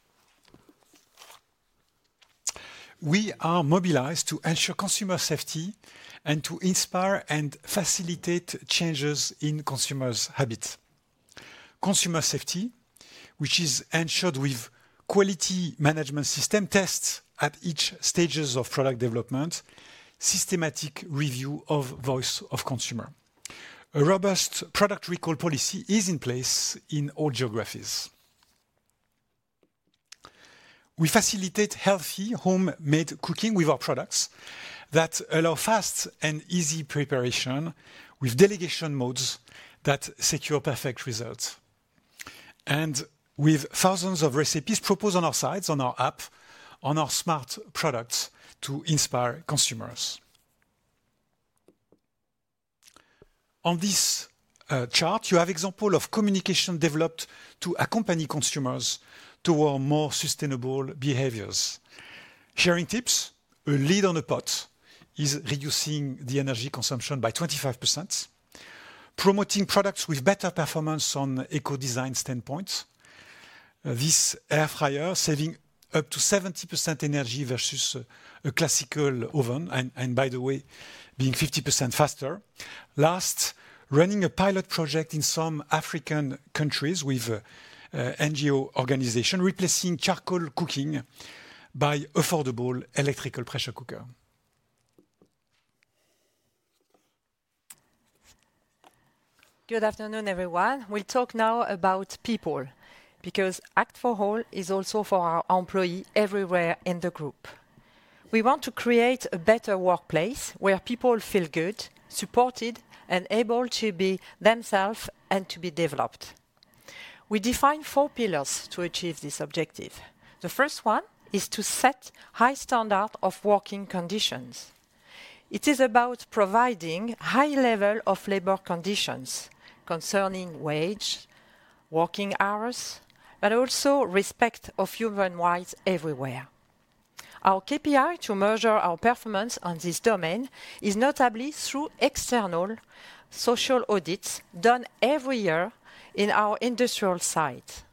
We are mobilized to ensure consumer safety and to inspire and facilitate changes in consumers' habits. Consumer safety, which is ensured with quality management system tests at each stage of product development, systematic review of voice of consumer. A robust product recall policy is in place in all geographies. We facilitate healthy homemade cooking with our products that allow fast and easy preparation with delegation modes that secure perfect results, and with thousands of recipes proposed on our sites, on our app, on our smart products to inspire consumers. On this chart, you have examples of communication developed to accompany consumers toward more sustainable behaviors. Sharing tips: a lid on a pot is reducing the energy consumption by 25%, promoting products with better performance from an eco-design standpoint. This air fryer saves up to 70% energy versus a classical oven, and by the way, being 50% faster. Last, running a pilot project in some African countries with an NGO organization replacing charcoal cooking by an affordable electrical pressure cooker. Good afternoon, everyone. We'll talk now about people because Act for All is also for our employees everywhere in the group. We want to create a better workplace where people feel good, supported, and able to be themselves and to be developed. We define four pillars to achieve this objective. The first one is to set high standards of working conditions. It is about providing a high level of labor conditions concerning wage, working hours, but also respect of human rights everywhere. Our KPI to measure our performance on this domain is notably through external social audits done every year in our industrial sites.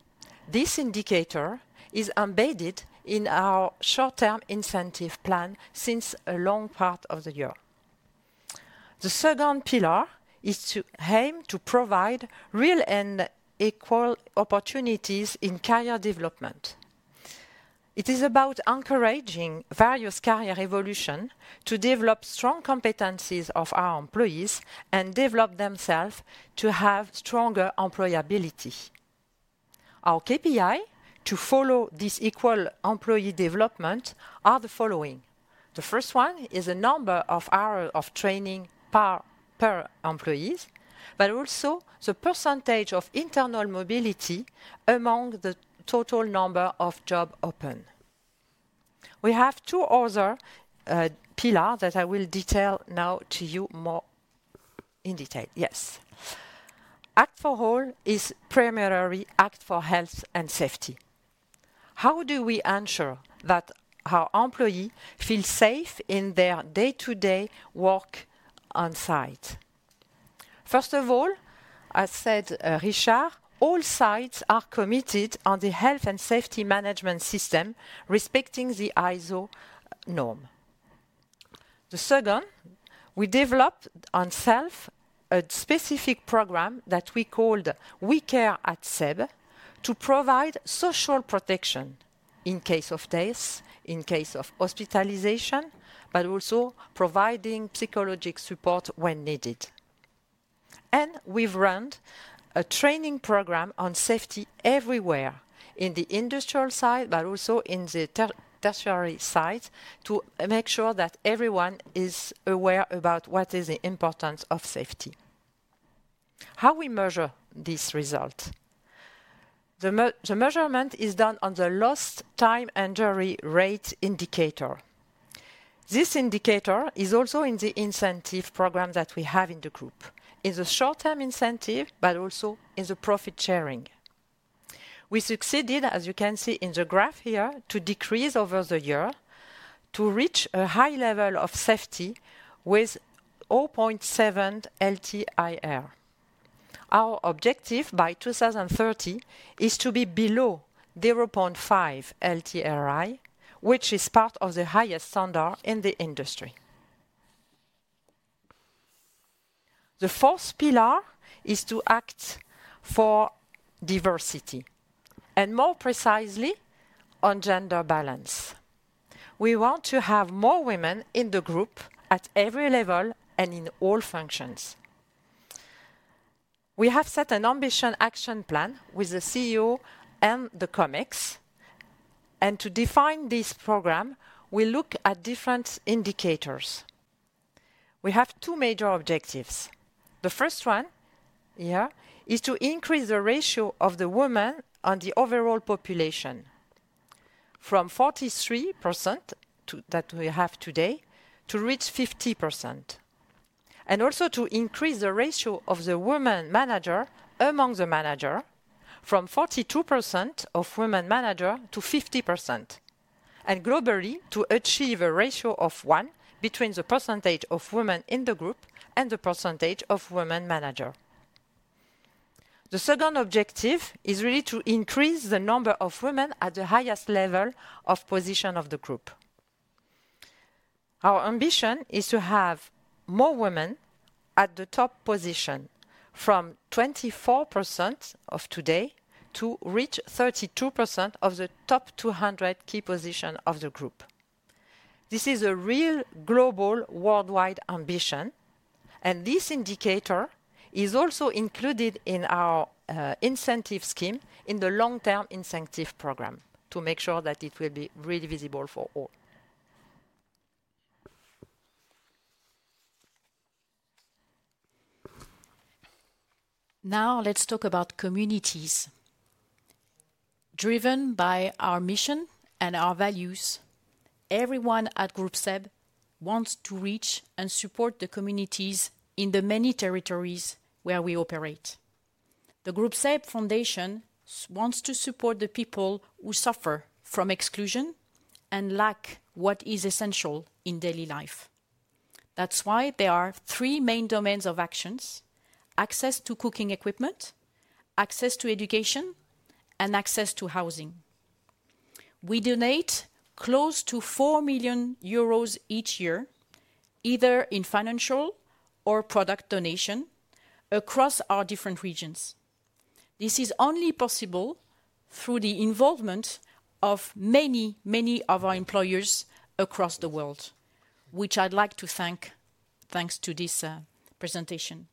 This indicator is embedded in our short-term incentive plan since a long part of the year. The second pillar aims to provide real and equal opportunities in career development. It is about encouraging various career evolutions to develop strong competencies of our employees and develop themselves to have stronger employability. Our KPIs to follow this equal employee development are the following. The first one is the number of hours of training per employee, but also the percentage of internal mobility among the total number of jobs open. We have two other pillars that I will detail now to you more in detail. Yes. Act for All is a primary act for health and safety. How do we ensure that our employees feel safe in their day-to-day work on site? First of all, as said Richard, all sites are committed to the health and safety management system respecting the ISO norm. The second, we developed ourselves a specific program that we called WeCare@Seb to provide social protection in case of death, in case of hospitalization, but also providing psychological support when needed. We've run a training program on safety everywhere in the industrial site, but also in the tertiary site to make sure that everyone is aware of what is the importance of safety. How do we measure these results? The measurement is done on the Lost Time Injury Rate indicator. This indicator is also in the incentive program that we have in the group, in the short-term incentive, but also in the profit sharing. We succeeded, as you can see in the graph here, to decrease over the year to reach a high level of safety with 0.7 LTIR. Our objective by 2030 is to be below 0.5 LTIR, which is part of the highest standard in the industry. The fourth pillar is to act for diversity and, more precisely, on gender balance. We want to have more women in the group at every level and in all functions. We have set an ambitious action plan with the CEO and the COMEX, and to define this program, we look at different indicators. We have two major objectives. The first one here is to increase the ratio of the women in the overall population from 43% that we have today to reach 50%, and also to increase the ratio of the women managers among the managers from 42% of women managers to 50%, and globally to achieve a ratio of one between the percentage of women in the group and the percentage of women managers. The second objective is really to increase the number of women at the highest level of position of the group. Our ambition is to have more women at the top position from 24% of today to reach 32% of the top 200 key positions of the group. This is a real global worldwide ambition, and this indicator is also included in our incentive scheme in the long-term incentive program to make sure that it will be really visible for all. Now let's talk about communities. Driven by our mission and our values, everyone at Groupe SEB wants to reach and support the communities in the many territories where we operate. The Groupe SEB Foundation wants to support the people who suffer from exclusion and lack what is essential in daily life. That's why there are three main domains of actions: access to cooking equipment, access to education, and access to housing. We donate close to 4 million euros each year, either in financial or product donations across our different regions. This is only possible through the involvement of many, many of our employers across the world, which I'd like to thank thanks to this presentation,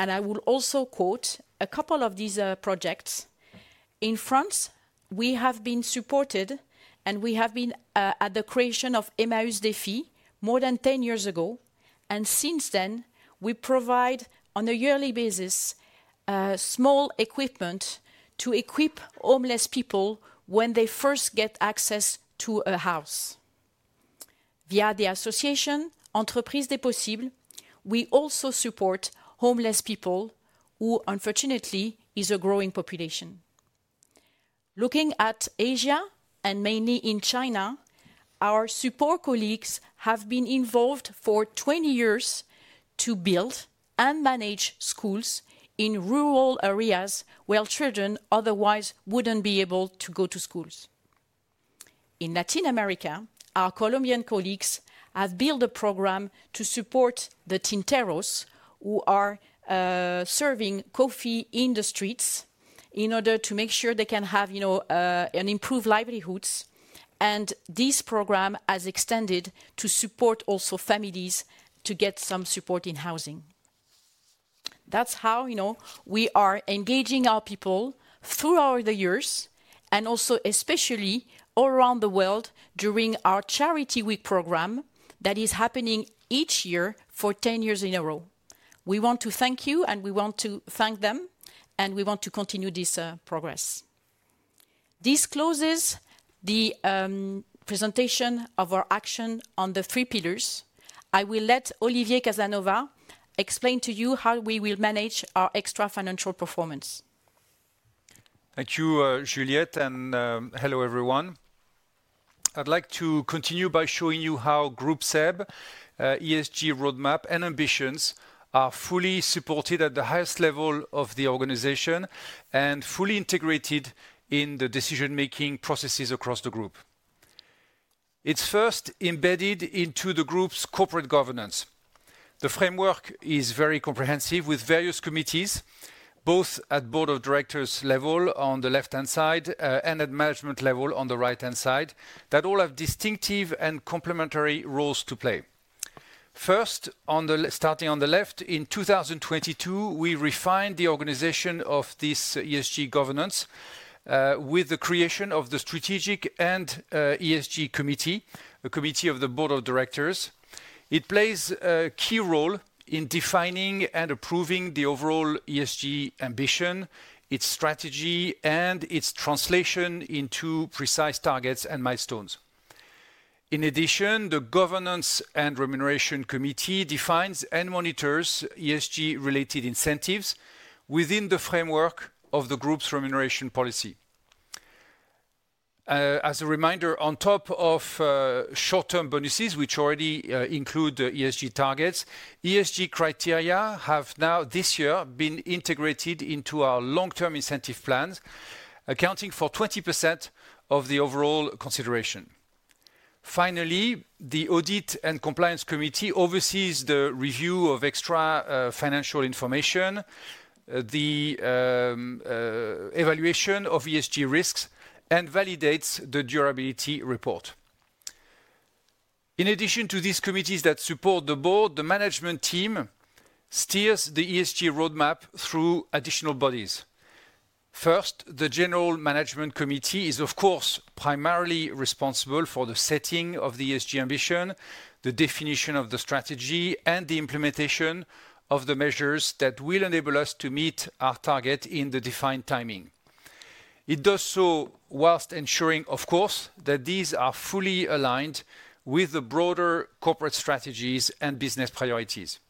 and I will also quote a couple of these projects. In France, we have been supported, and we have been at the creation of Emmaüs Défi more than 10 years ago, and since then, we provide on a yearly basis small equipment to equip homeless people when they first get access to a house. Via the association Entreprise des Possibles, we also support homeless people, who unfortunately are a growing population. Looking at Asia and mainly in China, our support colleagues have been involved for 20 years to build and manage schools in rural areas where children otherwise wouldn't be able to go to schools. In Latin America, our Colombian colleagues have built a program to support the tinteros, who are serving coffee in the streets in order to make sure they can have improved livelihoods, and this program has extended to support also families to get some support in housing. That's how we are engaging our people throughout the years and also especially all around the world during our Charity Week program that is happening each year for 10 years in a row. We want to thank you, and we want to thank them, and we want to continue this progress. This closes the presentation of our action on the three pillars. I will let Olivier Casanova explain to you how we will manage our extra financial performance. Thank you, Juliette, and hello everyone. I'd like to continue by showing you how Groupe SEB's ESG roadmap and ambitions are fully supported at the highest level of the organization and fully integrated in the decision-making processes across the group. It's first embedded into the group's corporate governance. The framework is very comprehensive with various committees, both at the board of directors level on the left-hand side and at management level on the right-hand side, that all have distinctive and complementary roles to play. First, starting on the left, in 2022, we refined the organization of this ESG governance with the creation of the Strategic and ESG Committee, a committee of the board of directors. It plays a key role in defining and approving the overall ESG ambition, its strategy, and its translation into precise targets and milestones. In addition, the Governance and Remuneration Committee defines and monitors ESG-related incentives within the framework of the group's remuneration policy. As a reminder, on top of short-term bonuses, which already include ESG targets, ESG criteria have now, this year, been integrated into our long-term incentive plans, accounting for 20% of the overall consideration. Finally, the Audit and Compliance Committee oversees the review of extra financial information, the evaluation of ESG risks, and validates the durability report. In addition to these committees that support the board, the management team steers the ESG roadmap through additional bodies. First, the General Management Committee is, of course, primarily responsible for the setting of the ESG ambition, the definition of the strategy, and the implementation of the measures that will enable us to meet our target in the defined timing. It does so while ensuring, of course, that these are fully aligned with the broader corporate strategies and business priorities.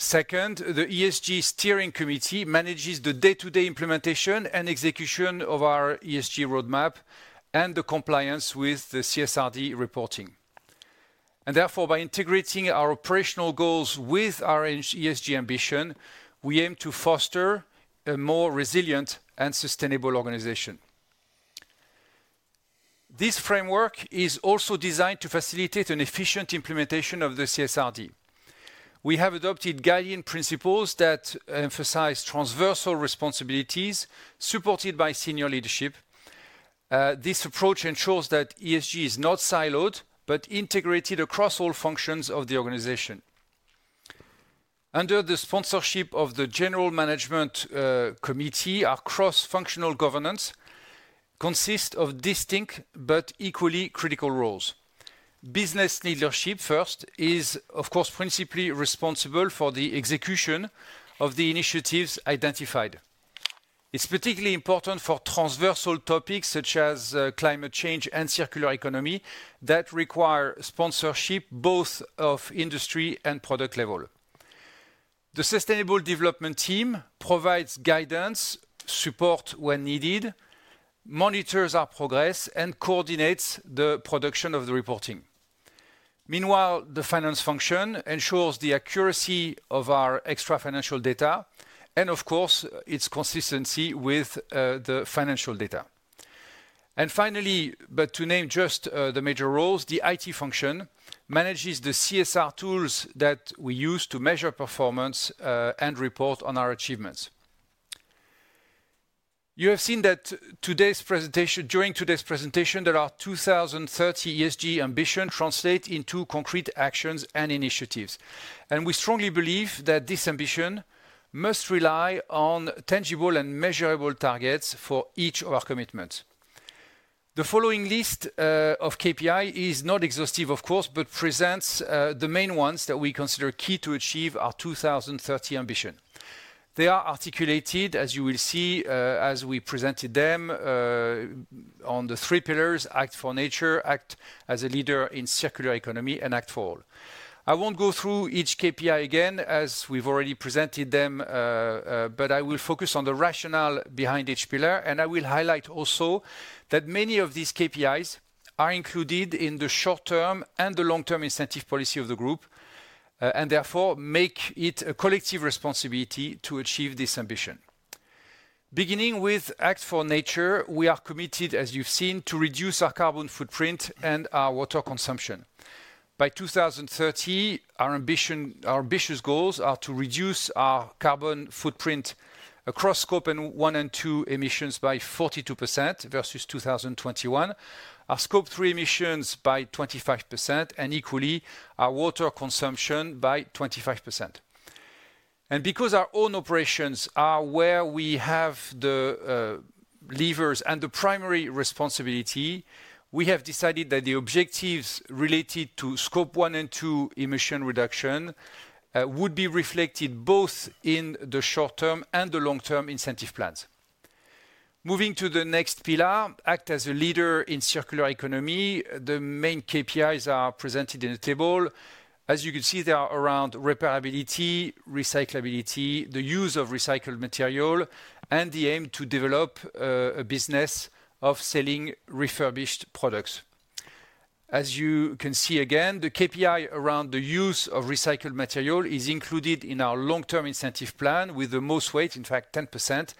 Second, the ESG Steering Committee manages the day-to-day implementation and execution of our ESG roadmap and the compliance with the CSRD reporting. And therefore, by integrating our operational goals with our ESG ambition, we aim to foster a more resilient and sustainable organization. This framework is also designed to facilitate an efficient implementation of the CSRD. We have adopted guiding principles that emphasize transversal responsibilities supported by senior leadership. This approach ensures that ESG is not siloed but integrated across all functions of the organization. Under the sponsorship of the General Management Committee, our cross-functional governance consists of distinct but equally critical roles. Business leadership, first, is, of course, principally responsible for the execution of the initiatives identified. It's particularly important for transversal topics such as climate change and circular economy that require sponsorship both of industry and product level. The Sustainable Development Team provides guidance, support when needed, monitors our progress, and coordinates the production of the reporting. Meanwhile, the finance function ensures the accuracy of our extra financial data and, of course, its consistency with the financial data, and finally, but to name just the major roles, the IT function manages the CSR tools that we use to measure performance and report on our achievements. You have seen that during today's presentation, there are 2030 ESG ambitions translated into concrete actions and initiatives. And we strongly believe that this ambition must rely on tangible and measurable targets for each of our commitments. The following list of KPIs is not exhaustive, of course, but presents the main ones that we consider key to achieve our 2030 ambitions. They are articulated, as you will see as we presented them, on the three pillars: Act for Nature, Act as a Leader in Circular Economy, and Act for All. I won't go through each KPI again as we've already presented them, but I will focus on the rationale behind each pillar, and I will highlight also that many of these KPIs are included in the short-term and the long-term incentive policy of the group, and therefore make it a collective responsibility to achieve this ambition. Beginning with Act for Nature, we are committed, as you've seen, to reduce our carbon footprint and our water consumption. By 2030, our ambitious goals are to reduce our carbon footprint across Scope 1 and 2 emissions by 42% versus 2021, our Scope 3 emissions by 25%, and equally our water consumption by 25%. Because our own operations are where we have the levers and the primary responsibility, we have decided that the objectives related to Scope1 and 2 emission reduction would be reflected both in the short-term and the long-term incentive plans. Moving to the next pillar, Act as a Leader in Circular Economy, the main KPIs are presented in a table. As you can see, they are around repairability, recyclability, the use of recycled material, and the aim to develop a business of selling refurbished products. As you can see again, the KPI around the use of recycled material is included in our long-term incentive plan with the most weight, in fact, 10%,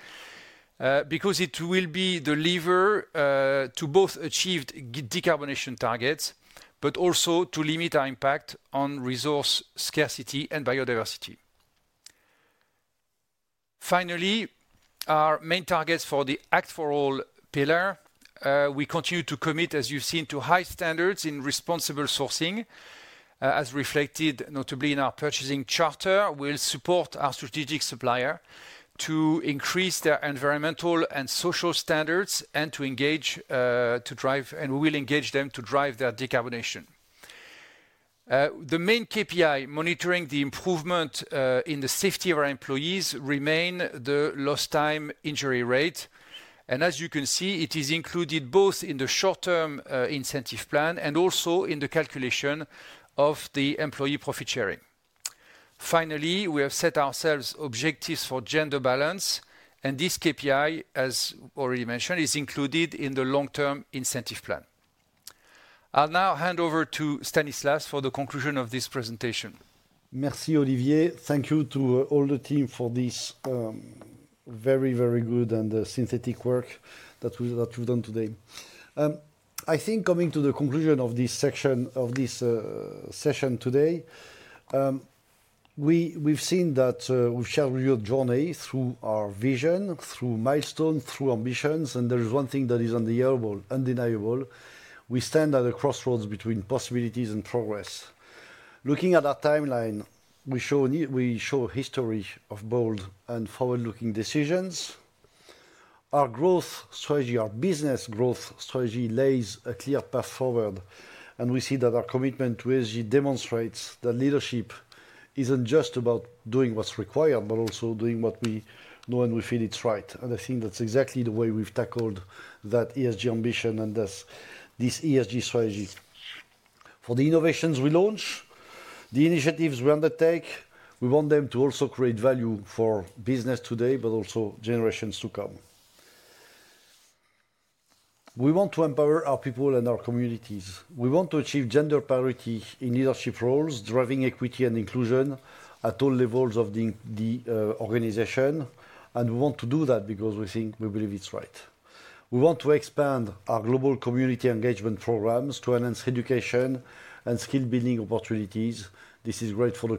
because it will be the lever to both achieve decarbonization targets but also to limit our impact on resource scarcity and biodiversity. Finally, our main targets for the Act for All pillar, we continue to commit, as you've seen, to high standards in responsible sourcing, as reflected notably in our purchasing charter, will support our strategic supplier to increase their environmental and social standards and to engage to drive, and we will engage them to drive their decarbonization. The main KPI monitoring the improvement in the safety of our employees remains the lost time injury rate. And as you can see, it is included both in the short-term incentive plan and also in the calculation of the employee profit sharing. Finally, we have set ourselves objectives for gender balance, and this KPI, as already mentioned, is included in the long-term incentive plan. I'll now hand over to Stanislas for the conclusion of this presentation. Merci, Olivier. Thank you to all the team for this very, very good and synthetic work that you've done today. I think coming to the conclusion of this section of this session today, we've seen that we've shared with you a journey through our vision, through milestones, through ambitions, and there is one thing that is undeniable, undeniable. We stand at a crossroads between possibilities and progress. Looking at our timeline, we show a history of bold and forward-looking decisions. Our growth strategy, our business growth strategy lays a clear path forward, and we see that our commitment to ESG demonstrates that leadership isn't just about doing what's required, but also doing what we know and we feel is right, and I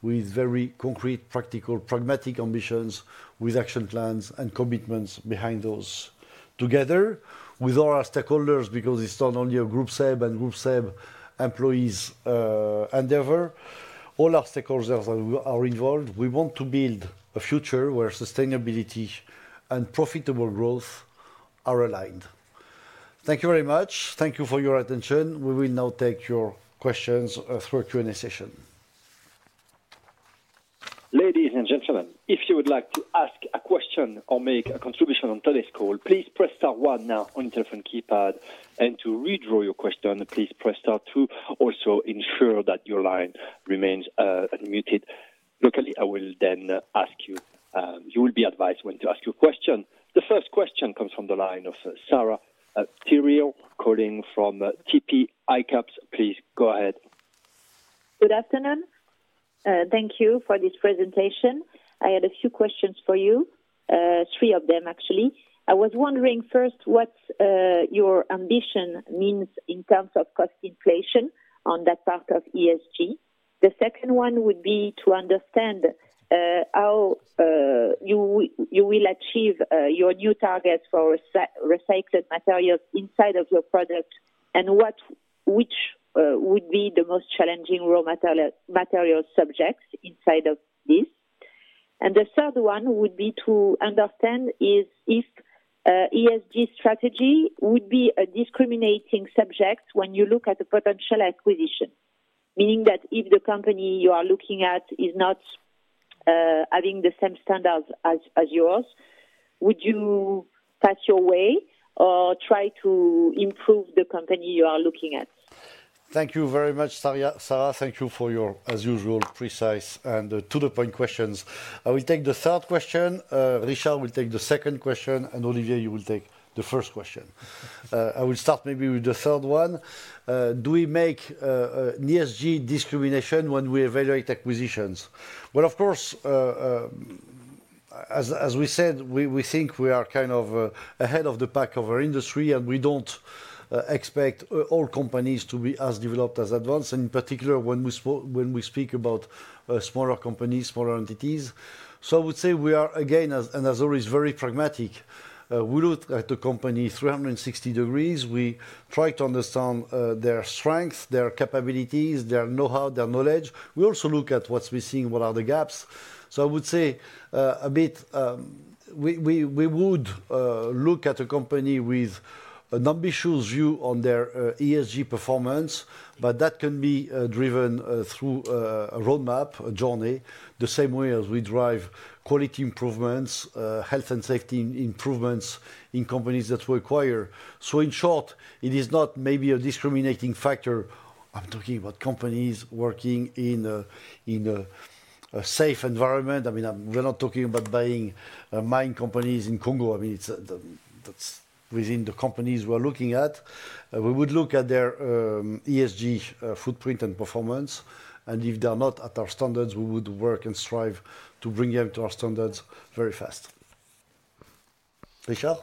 We are integrating digital tools to monitor and accelerate our ESG progress. As a conclusion, our 2030 ambitions are a reflection of our determination to lead with purpose and conviction. You've seen an ambition that is both visionary but very concrete, that is set with two feet on the ground, with very concrete, practical, pragmatic ambitions, with action plans and commitments behind those. Together with all our stakeholders, because it's not only a Groupe SEB and Groupe SEB employees' endeavor, all our stakeholders are involved, we want to build a future where sustainability and profitable growth are aligned. Thank you very much. Thank you for your attention. We will now take your questions through a Q&A session. Ladies and gentlemen, if you would like to ask a question or make a contribution on today's call, please press star one now on your telephone keypad, and to withdraw your question, please press star two. Also, ensure that your line remains unmuted. Locally, I will then ask you. You will be advised when to ask your question. The first question comes from the line of Sarah Thiel calling from TP ICAP. Please go ahead. Good afternoon. Thank you for this presentation. I had a few questions for you, three of them, actually. I was wondering, first, what your ambition means in terms of cost inflation on that part of ESG. The second one would be to understand how you will achieve your new targets for recycled materials inside of your product and which would be the most challenging raw material subjects inside of this. and the third one would be to understand if ESG strategy would be a discriminating subject when you look at the potential acquisition, meaning that if the company you are looking at is not having the same standards as yours, would you pass your way or try to improve the company you are looking at? Thank you very much, Sarah. Thank you for your, as usual, precise and to-the-point questions. I will take the third question. Richard will take the second question, and Olivier, you will take the first question. I will start maybe with the third one. Do we make ESG discrimination when we evaluate acquisitions? Well, of course, as we said, we think we are kind of ahead of the pack of our industry, and we don't expect all companies to be as developed, as advanced, and in particular when we speak about smaller companies, smaller entities. So I would say we are, again, and as always, very pragmatic. We look at the company 360 degrees. We try to understand their strengths, their capabilities, their know-how, their knowledge. We also look at what we're seeing, what are the gaps. So I would say that we would look at a company with an ambitious view on their ESG performance, but that can be driven through a roadmap, a journey, the same way as we drive quality improvements, health and safety improvements in companies that we acquire. So in short, it is not maybe a discriminating factor. I'm talking about companies working in a safe environment. I mean, we're not talking about buying mining companies in Congo. I mean, that's within the companies we're looking at. We would look at their ESG footprint and performance, and if they're not at our standards, we would work and strive to bring them to our standards very fast. Richard?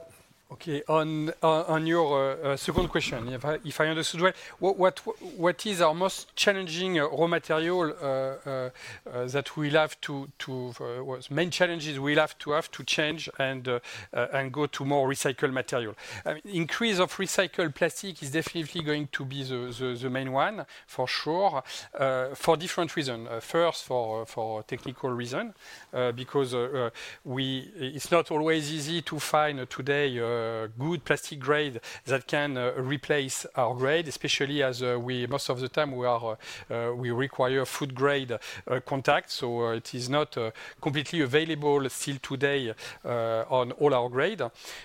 Okay. On your second question, if I understood right, what is our most challenging raw material that we'll have to change and go to more recycled material? Increase of recycled plastic is definitely going to be the main one, for sure, for different reasons. First, for technical reasons, because it's not always easy to find today good plastic grade that can replace our grade, especially as most of the time we require food-grade contact. So it is not completely available still today on all our grade.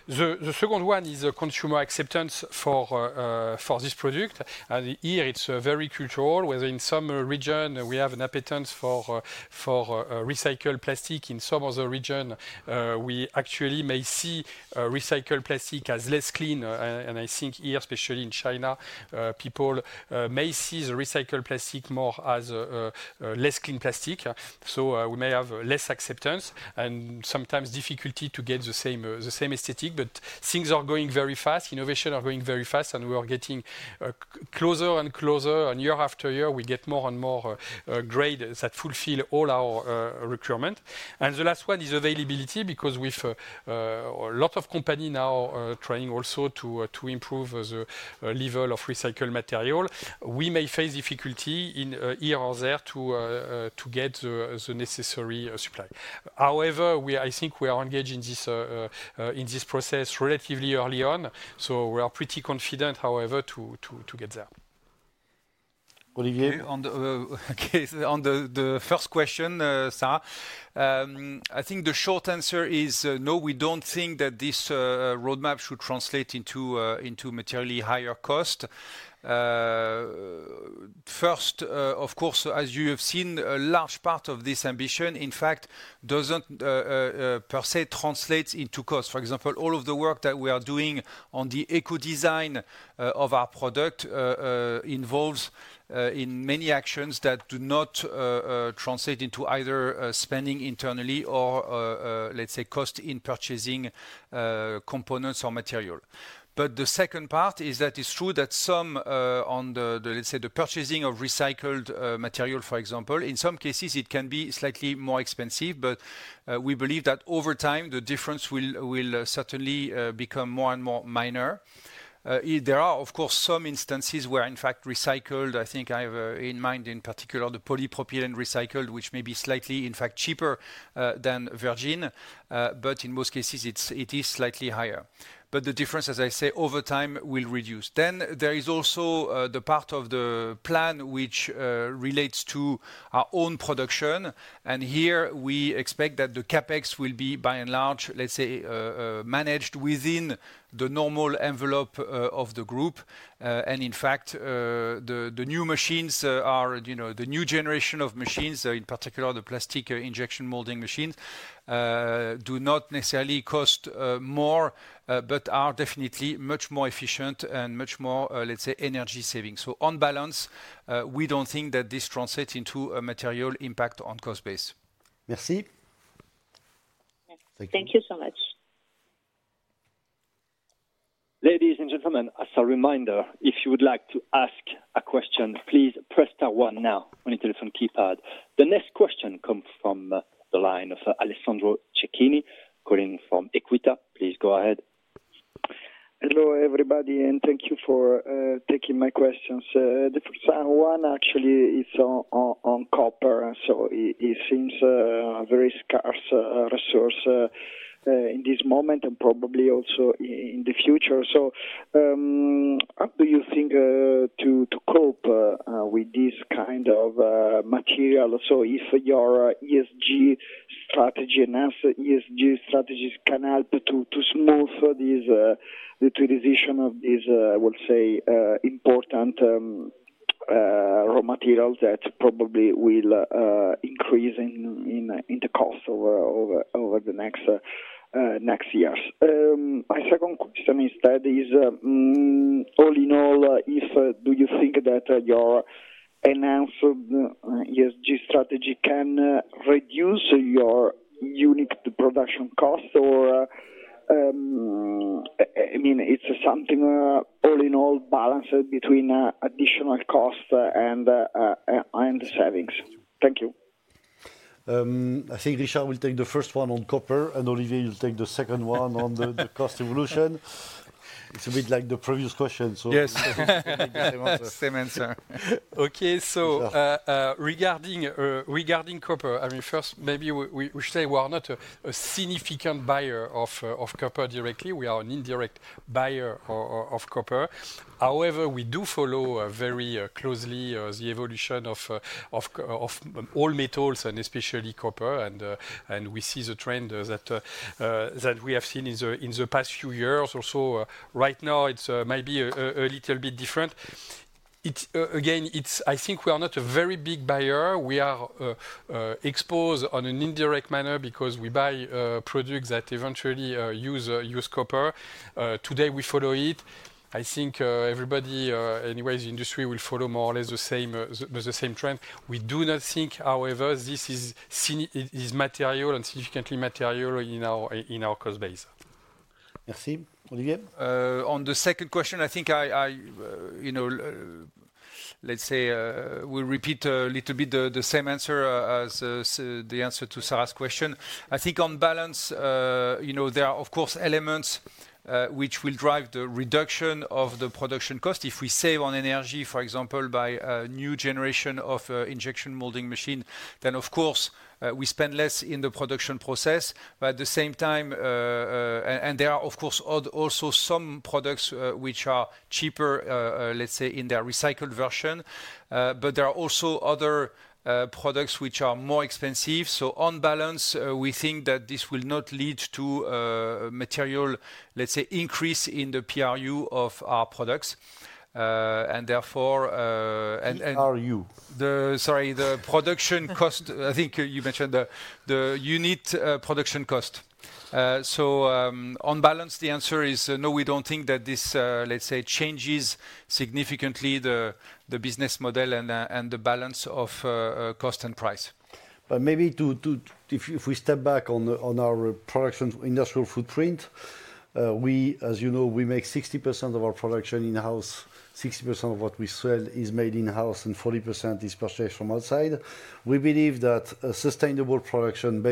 The second one is consumer acceptance for this product. Here, it's very cultural. Whether in some region, we have an appetence for recycled plastic. In some other region, we actually may see recycled plastic as less clean. And I think here, especially in China, people may see the recycled plastic more as less clean plastic. So we may have less acceptance and sometimes difficulty to get the same aesthetic. But things are going very fast. Innovations are going very fast, and we are getting closer and closer. And year after year, we get more and more grades that fulfill all our requirements. And the last one is availability, because with a lot of companies now trying also to improve the level of recycled material, we may face difficulty in here or there to get the necessary supply. However, I think we are engaged in this process relatively early on, so we are pretty confident, however, to get there. Olivier? Okay. On the first question, Sarah, I think the short answer is no, we don't think that this roadmap should translate into materially higher cost. First, of course, as you have seen, a large part of this ambition, in fact, doesn't per se translate into cost. For example, all of the work that we are doing on the eco-design of our product involves many actions that do not translate into either spending internally or, let's say, cost in purchasing components or material. But the second part is that it's true that some, let's say, the purchasing of recycled material, for example, in some cases, it can be slightly more expensive, but we believe that over time, the difference will certainly become more and more minor. There are, of course, some instances where, in fact, recycled, I think I have in mind in particular the polypropylene recycled, which may be slightly, in fact, cheaper than virgin, but in most cases, it is slightly higher. But the difference, as I say, over time will reduce. Then there is also the part of the plan which relates to our own production. And here, we expect that the CapEx will be, by and large, let's say, managed within the normal envelope of the group. And in fact, the new machines are, the new generation of machines, in particular the plastic injection molding machines, do not necessarily cost more but are definitely much more efficient and much more, let's say, energy-saving. So on balance, we don't think that this translates into a material impact on cost base. Merci. Thank you so much. Ladies and gentlemen, as a reminder, if you would like to ask a question, please press star one now on your telephone keypad. The next question comes from the line of Alessandro Cecchini calling from Equita. Please go ahead. Hello, everybody, and thank you for taking my questions. The first one, actually, is on copper. So it seems a very scarce resource in this moment and probably also in the future. So how do you think to cope with this kind of material? So if your ESG strategy and ESG strategies can help to smooth the utilization of these, I would say, important raw materials that probably will increase in the cost over the next years. My second question instead is, all in all, do you think that your enhanced ESG strategy can reduce your unit production costs? Or, I mean, it's something all in all balanced between additional costs and savings. Thank you. I think Richard will take the first one on copper, and Olivier will take the second one on the cost evolution. It's a bit like the previous question, so. Yes. Same answer. Okay. So regarding copper, I mean, first, maybe we should say we are not a significant buyer of copper directly. We are an indirect buyer of copper. However, we do follow very closely the evolution of all metals, and especially copper. And we see the trend that we have seen in the past few years. Also, right now, it's maybe a little bit different. Again, I think we are not a very big buyer. We are exposed in an indirect manner because we buy products that eventually use copper. Today, we follow it. I think everybody, anyway, in the industry, will follow more or less the same trend. We do not think, however, this is material and significantly material in our cost base. Merci. Olivier? On the second question, I think, let's say, we'll repeat a little bit the same answer as the answer to Sarah's question. I think on balance, there are, of course, elements which will drive the reduction of the production cost. If we save on energy, for example, by a new generation of injection molding machine, then, of course, we spend less in the production process. But at the same time, and there are, of course, also some products which are cheaper, let's say, in their recycled version. But there are also other products which are more expensive. So on balance, we think that this will not lead to material, let's say, increase in the PRU of our products. And therefore. PRU? Sorry, the production cost. I think you mentioned the unit production cost. So on balance, the answer is no, we don't think that this, let's say, changes significantly the business model and the balance of cost and price. But maybe if we step back on our production industrial footprint, as you know, we make 60% of our production in-house. 60% of what we sell is made in-house, and 40% is purchased from outside. We believe that sustainable production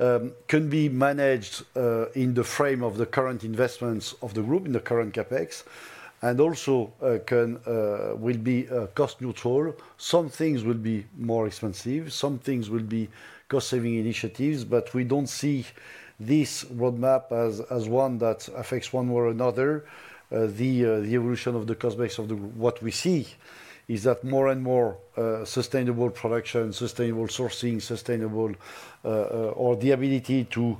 based on good treatment of employees, good social conditions, great attention to health and safety, great attention to our cost base, energy efficiency, less energy consumption, less water consumption. We believe that all these can be managed in the frame of the current investments of the group, in the current CapEx, and also will be cost neutral. Some things will be more expensive. Some things will be cost-saving initiatives. But we don't see this roadmap as one that affects one way or another the evolution of the cost base of the group. What we see is that more and more sustainable production, sustainable sourcing, sustainable, or the ability to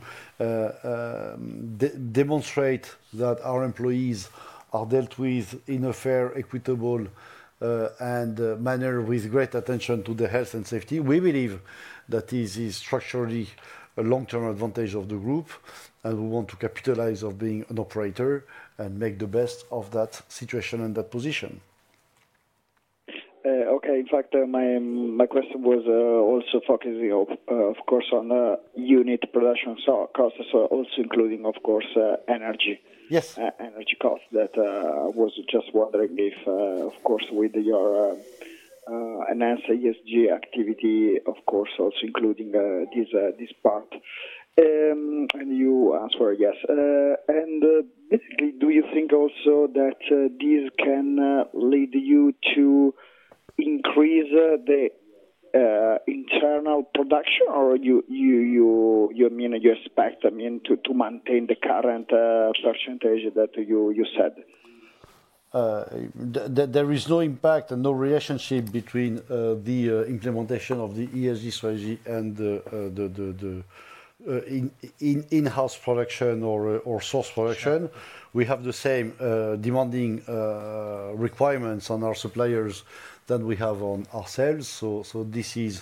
demonstrate that our employees are dealt with in a fair, equitable, and manner with great attention to the health and safety. We believe that this is structurally a long-term advantage of the group, and we want to capitalize on being an operator and make the best of that situation and that position. Okay. In fact, my question was also focusing, of course, on unit production costs, also including, of course, energy costs. That I was just wondering if, of course, with your enhanced ESG activity, of course, also including this part. And you answered yes. And basically, do you think also that this can lead you to increase the internal production, or you mean you expect, I mean, to maintain the current percentage that you said? There is no impact and no relationship between the implementation of the ESG strategy and the in-house production or source production. We have the same demanding requirements on our suppliers than we have on ourselves. So this is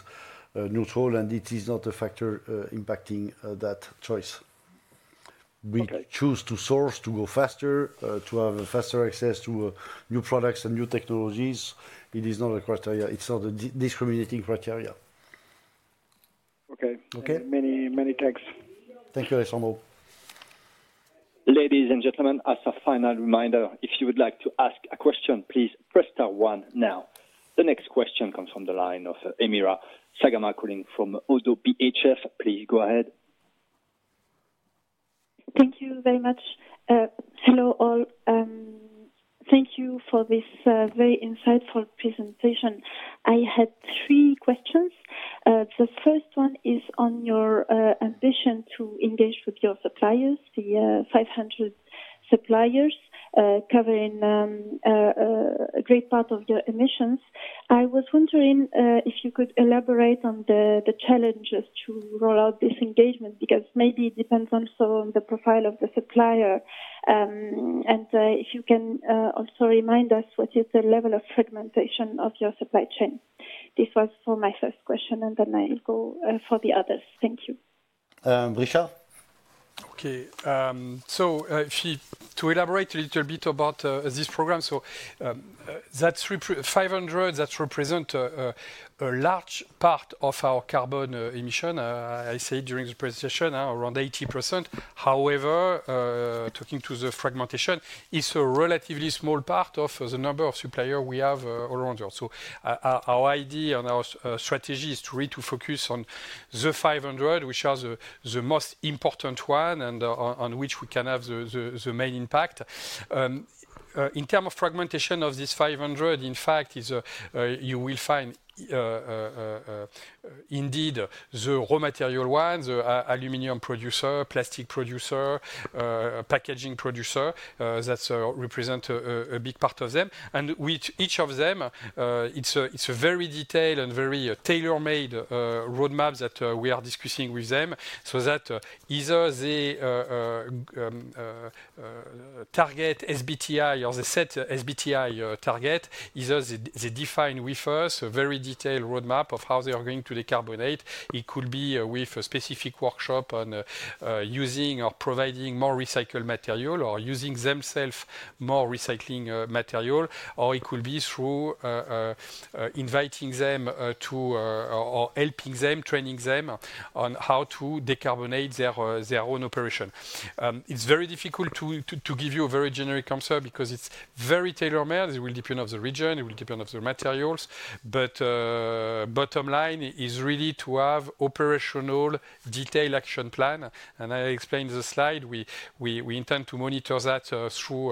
neutral, and it is not a factor impacting that choice. We choose to source, to go faster, to have faster access to new products and new technologies. It is not a criteria. It's not a discriminating criteria. Okay. Okay? Many thanks. Thank you, Alessandro. Ladies and gentlemen, as a final reminder, if you would like to ask a question, please press star one now. The next question comes from the line of Emira Semmama calling from Oddo BHF. Please go ahead. Thank you very much. Hello all. Thank you for this very insightful presentation. I had three questions. The first one is on your ambition to engage with your suppliers, the 500 suppliers, covering a great part of your emissions. I was wondering if you could elaborate on the challenges to roll out this engagement, because maybe it depends also on the profile of the supplier, and if you can also remind us what is the level of fragmentation of your supply chain. This was for my first question, and then I'll go for the others. Thank you. Richard? Okay. So to elaborate a little bit about this program, so that 500, that represents a large part of our carbon emission. I said during the presentation around 80%. However, talking to the fragmentation, it's a relatively small part of the number of suppliers we have all around us. So our idea and our strategy is to really focus on the 500, which are the most important one and on which we can have the main impact. In terms of fragmentation of this 500, in fact, you will find indeed the raw material ones, aluminum producer, plastic producer, packaging producer. That represents a big part of them. And with each of them, it's a very detailed and very tailor-made roadmap that we are discussing with them so that either the target SBTi or the set SBTi target is defined with us, a very detailed roadmap of how they are going to decarbonate. It could be with a specific workshop on using or providing more recycled material or using themselves more recycling material. Or it could be through inviting them or helping them, training them on how to decarbonate their own operation. It's very difficult to give you a very generic answer because it's very tailor-made. It will depend on the region. It will depend on the materials. But the bottom line is really to have an operational detailed action plan. And I explained the slide. We intend to monitor that through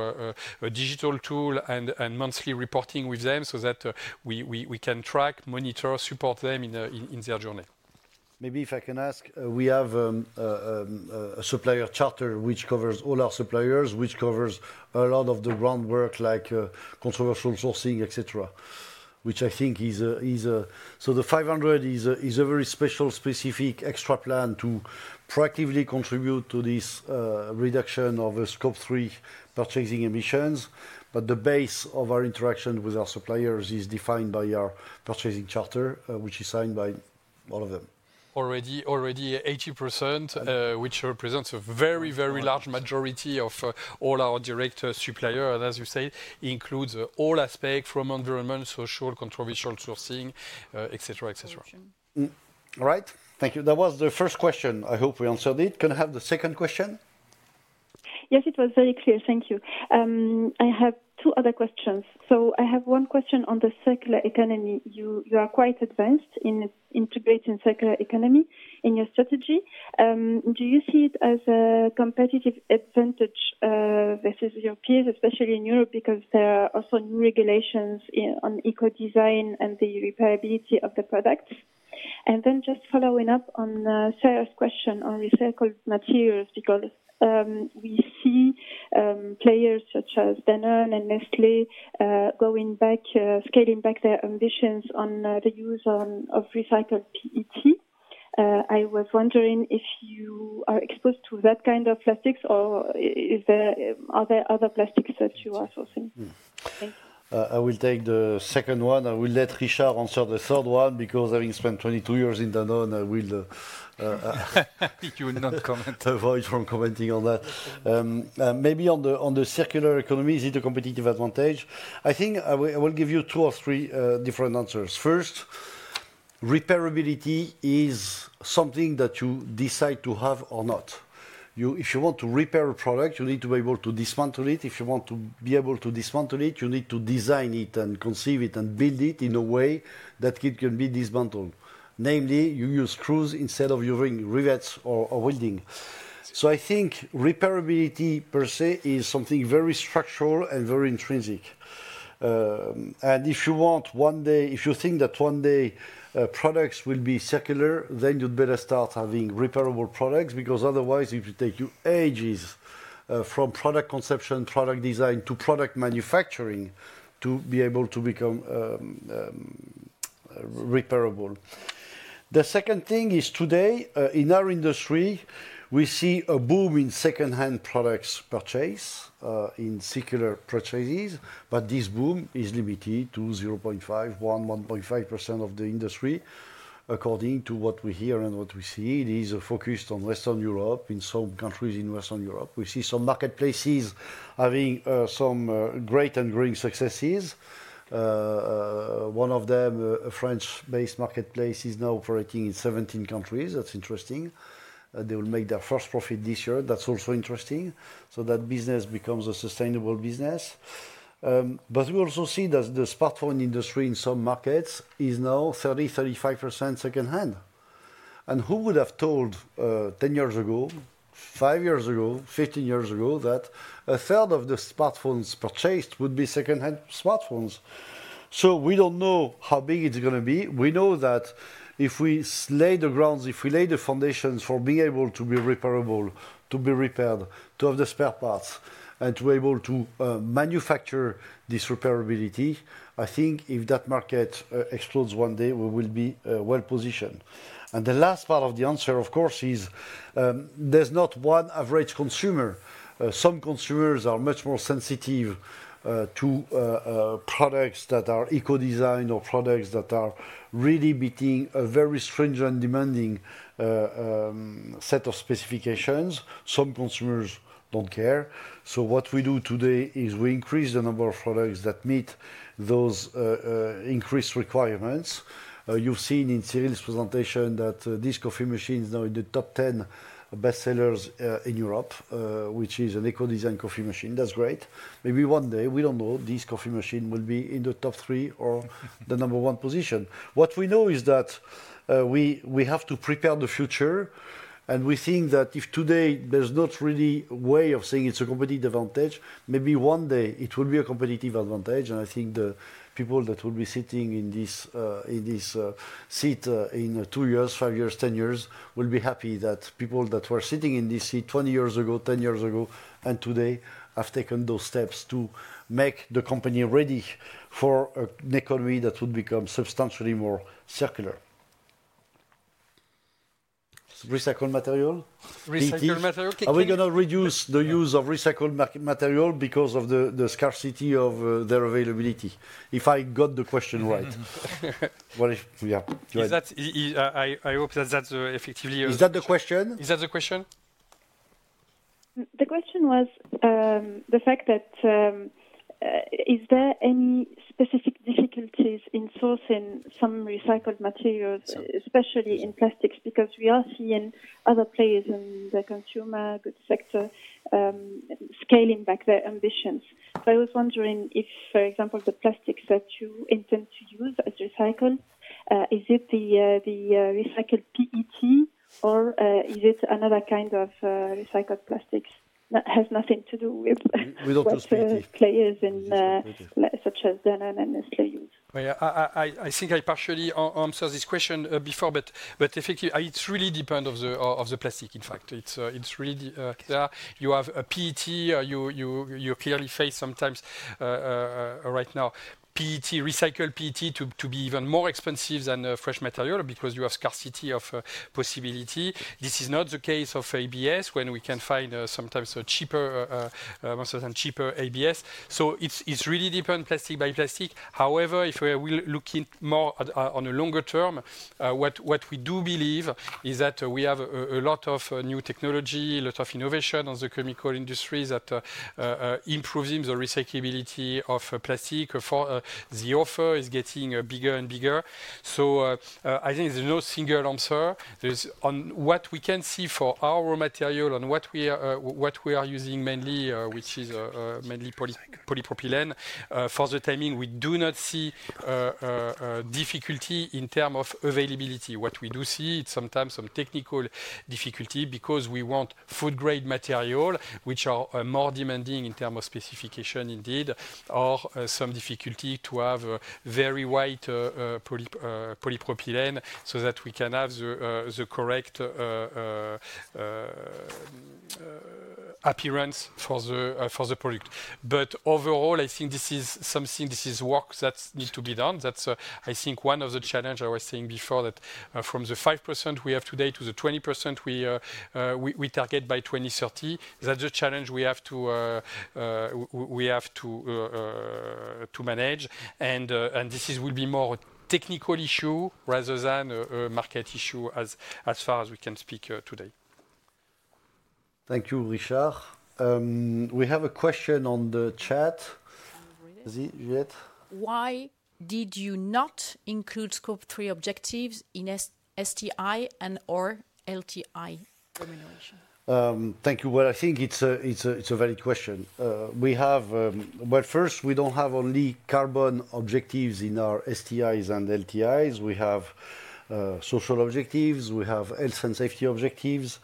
a digital tool and monthly reporting with them so that we can track, monitor, support them in their journey. Maybe if I can ask, we have a supplier charter which covers all our suppliers, which covers a lot of the groundwork like controversial sourcing, etc., which I think is so the 500 is a very special, specific extra plan to proactively contribute to this reduction of Scope 3 purchasing emissions. But the base of our interaction with our suppliers is defined by our purchasing charter, which is signed by all of them. Already 80%, which represents a very, very large majority of all our direct suppliers, and as you said, it includes all aspects from environment, social, controversial sourcing, etc., etc. All right. Thank you. That was the first question. I hope we answered it. Can I have the second question? Yes, it was very clear. Thank you. I have two other questions. So I have one question on the circular economy. You are quite advanced in integrating circular economy in your strategy. Do you see it as a competitive advantage versus your peers, especially in Europe, because there are also new regulations on eco-design and the repairability of the products? And then just following up on Sarah's question on recycled materials, because we see players such as Danone and Nestlé going back, scaling back their ambitions on the use of recycled PET. I was wondering if you are exposed to that kind of plastics, or are there other plastics that you are sourcing? I will take the second one. I will let Richard answer the third one because having spent 22 years in Danone, I will. You will not comment. I'll avoid commenting on that. Maybe on the circular economy, is it a competitive advantage? I think I will give you two or three different answers. First, repairability is something that you decide to have or not. If you want to repair a product, you need to be able to dismantle it. If you want to be able to dismantle it, you need to design it and conceive it and build it in a way that it can be dismantled. Namely, you use screws instead of using rivets or welding. So I think repairability per se is something very structural and very intrinsic. And if you want one day, if you think that one day products will be circular, then you'd better start having repairable products because otherwise, it would take you ages from product conception, product design, to product manufacturing to be able to become repairable. The second thing is today, in our industry, we see a boom in second-hand products purchase in circular purchases. But this boom is limited to 0.5%, 1%, 1.5% of the industry. According to what we hear and what we see, it is focused on Western Europe, in some countries in Western Europe. We see some marketplaces having some great and growing successes. One of them, a French-based marketplace, is now operating in 17 countries. That's interesting. They will make their first profit this year. That's also interesting. So that business becomes a sustainable business. But we also see that the smartphone industry in some markets is now 30%-35% second-hand. And who would have told ten years ago, five years ago, fifteen years ago that a third of the smartphones purchased would be second-hand smartphones? So we don't know how big it's going to be. We know that if we lay the grounds, if we lay the foundations for being able to be repairable, to be repaired, to have the spare parts, and to be able to manufacture this repairability, I think if that market explodes one day, we will be well positioned, and the last part of the answer, of course, is there's not one average consumer. Some consumers are much more sensitive to products that are eco-design or products that are really meeting a very stringent and demanding set of specifications. Some consumers don't care, so what we do today is we increase the number of products that meet those increased requirements. You've seen in Cyril's presentation that this coffee machine is now in the top 10 bestsellers in Europe, which is an eco-design coffee machine. That's great. Maybe one day, we don't know, this coffee machine will be in the top three or the number one position. What we know is that we have to prepare the future. And we think that if today there's not really a way of saying it's a competitive advantage, maybe one day it will be a competitive advantage. And I think the people that will be sitting in this seat in two years, five years, 10 years will be happy that people that were sitting in this seat 20 years ago, 10 years ago, and today have taken those steps to make the company ready for an economy that would become substantially more circular. Recycled material? Recycled material? Are we going to reduce the use of recycled material because of the scarcity of their availability? If I got the question right. Yeah. I hope that that's effectively. Is that the question? Is that the question? The question was the fact that is there any specific difficulties in sourcing some recycled materials, especially in plastics, because we are seeing other players in the consumer goods sector scaling back their ambitions? So I was wondering if, for example, the plastics that you intend to use as recycled, is it the recycled PET, or is it another kind of recycled plastics that has nothing to do with other players such as Danone and Nestlé use? I think I partially answered this question before, but effectively, it really depends on the plastic, in fact. It's really. There you have PET. You clearly face sometimes right now recycled PET to be even more expensive than fresh material because you have scarcity of possibility. This is not the case of ABS when we can find sometimes cheaper ABS. So it really depends plastic by plastic. However, if we are looking more on a longer term, what we do believe is that we have a lot of new technology, a lot of innovation on the chemical industry that improves the recyclability of plastic. The offer is getting bigger and bigger. So I think there's no single answer. On what we can see for our raw material and what we are using mainly, which is mainly polypropylene, for the timing, we do not see difficulty in terms of availability. What we do see is sometimes some technical difficulty because we want food-grade material, which are more demanding in terms of specification indeed, or some difficulty to have very white polypropylene so that we can have the correct appearance for the product, but overall, I think this is something, this is work that needs to be done. That's, I think, one of the challenges I was saying before that from the 5% we have today to the 20% we target by 2030, that's a challenge we have to manage, and this will be more a technical issue rather than a market issue as far as we can speak today. Thank you, Richard. We have a question on the chat. Why did you not include Scope 3 objectives in STIs and/or LTIs?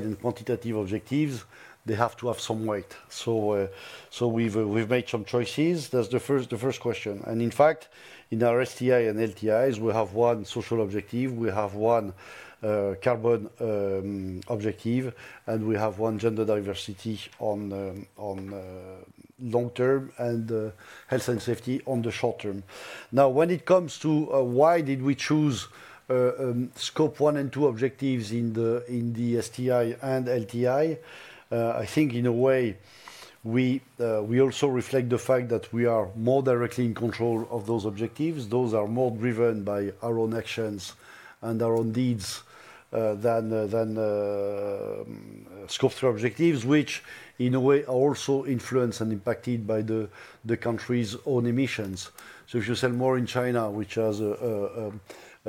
Thank you. I think it's a valid question. First, we don't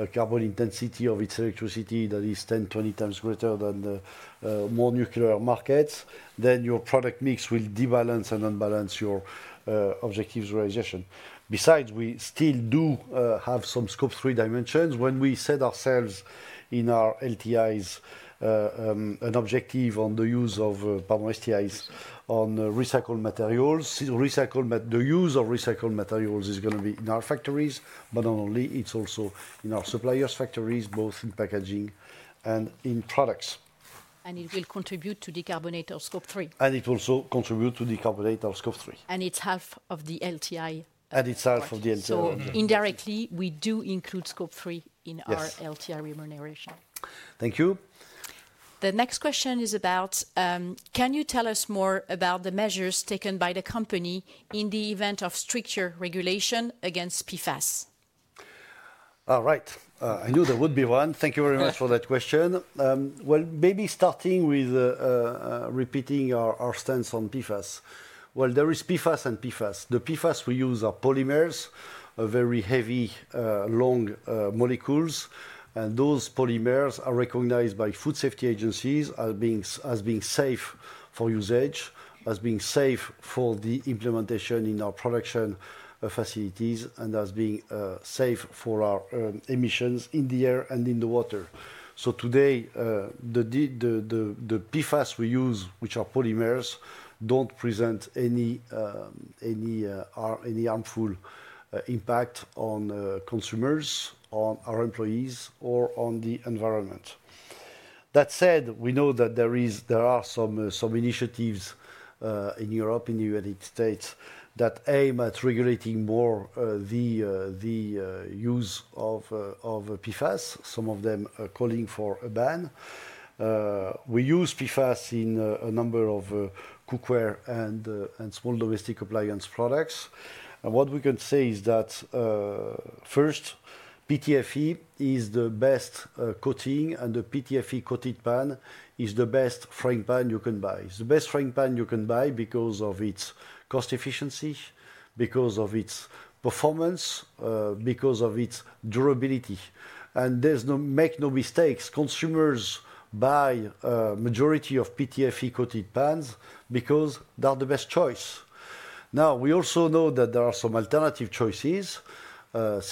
have only carbon objectives in our STIs and LTIs. We have social objectives. We have health and safety objectives. We have carbon footprint objectives. We have gender diversity objectives. We think that if you want to be meaningful on the quantified and quantitative objectives, they have to have some weight. We've made some choices. That's the first question. In fact, in our STIs and LTIs, we have one social objective. We have one carbon objective. We have one gender diversity on long term and health and safety on the short term. Now, when it comes to why did we choose Scope 1 and 2 objectives in the SBTi and LTIR, I think in The next question is about, can you tell us more about the measures taken by the company in the event of stricter regulation against PFAS? All right. I knew there would be one. Thank you very much for that question. Maybe starting with repeating our stance on PFAS. There is PFAS and PFAS. The PFAS we use are polymers, very heavy, long molecules. And those polymers are recognized by food safety agencies as being safe for usage, as being safe for the implementation in our production facilities, and as being safe for our emissions in the air and in the water. So today, the PFAS we use, which are polymers, don't present any harmful impact on consumers, on our employees, or on the environment. That said, we know that there are some initiatives in Europe, in the United States, that aim at regulating more the use of PFAS, some of them calling for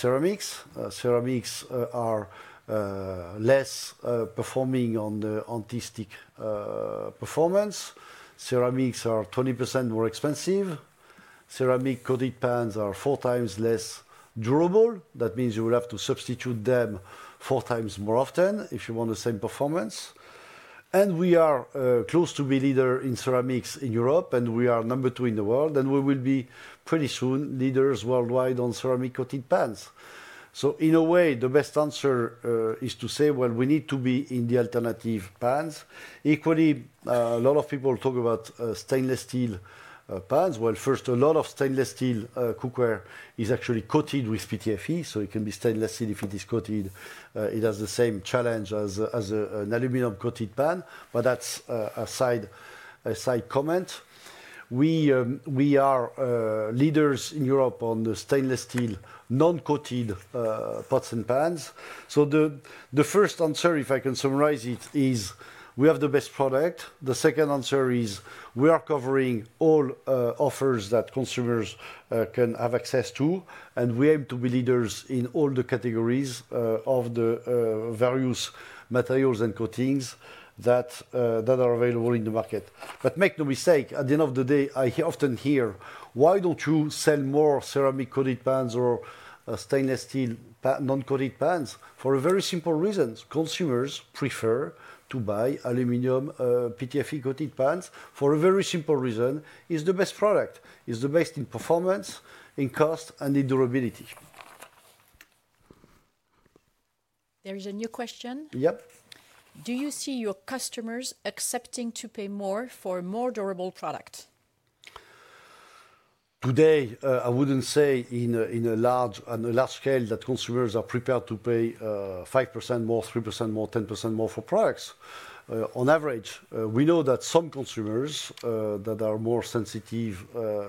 Well, first, a lot of stainless steel cookware is actually coated with PTFE, so it can be stainless steel if it is coated. It has the same challenge as an aluminum-coated pan, but that's a side comment. We are leaders in Europe on the stainless steel non-coated pots and pans. So the first answer, if I can summarize it, is we have the best product. The second answer is we are covering all offers that consumers can have access to, and we aim to be leaders in all the categories of the various materials and coatings that are available in the market. But make no mistake, at the end of the day, I often hear, why don't you sell more ceramic-coated pans or stainless steel non-coated pans? For a very simple reason. Consumers prefer to buy aluminum PTFE-coated pans for a very simple reason. It's the best product. It's the best in performance, in cost, and in durability. There is a new question. Yep. Do you see your customers accepting to pay more for a more durable product? Today, I wouldn't say on a large scale that consumers are prepared to pay 5% more, 3% more, 10% more for products. On average, we know that some consumers that are more sensitive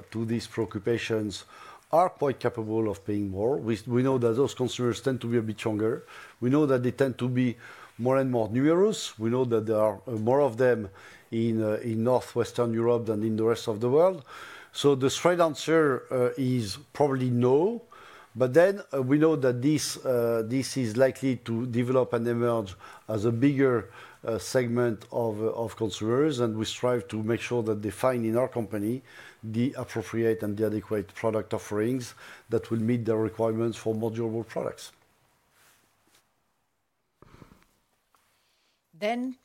to these preoccupations are quite capable of paying more. We know that those consumers tend to be a bit younger. We know that they tend to be more and more numerous. We know that there are more of them in Northwestern Europe than in the rest of the world. So the straight answer is probably no. But then we know that this is likely to develop and emerge as a bigger segment of consumers, and we strive to make sure that they find in our company the appropriate and the adequate product offerings that will meet their requirements for more durable products. Then,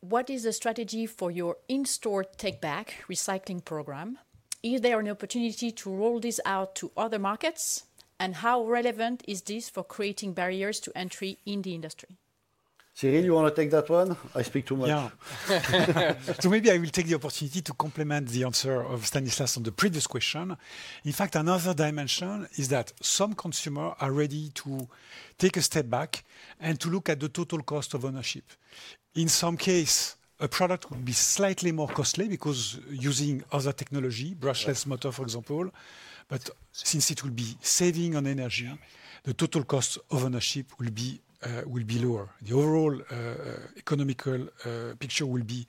what is the strategy for your in-store take-back recycling program? Is there an opportunity to roll this out to other markets? And how relevant is this for creating barriers to entry in the industry? Cyril, you want to take that one? I speak too much. Maybe I will take the opportunity to complement the answer of Stanislas on the previous question. In fact, another dimension is that some consumers are ready to take a step back and to look at the total cost of ownership. In some cases, a product would be slightly more costly because using other technology, brushless motor, for example. But since it will be saving on energy, the total cost of ownership will be lower. The overall economical picture will be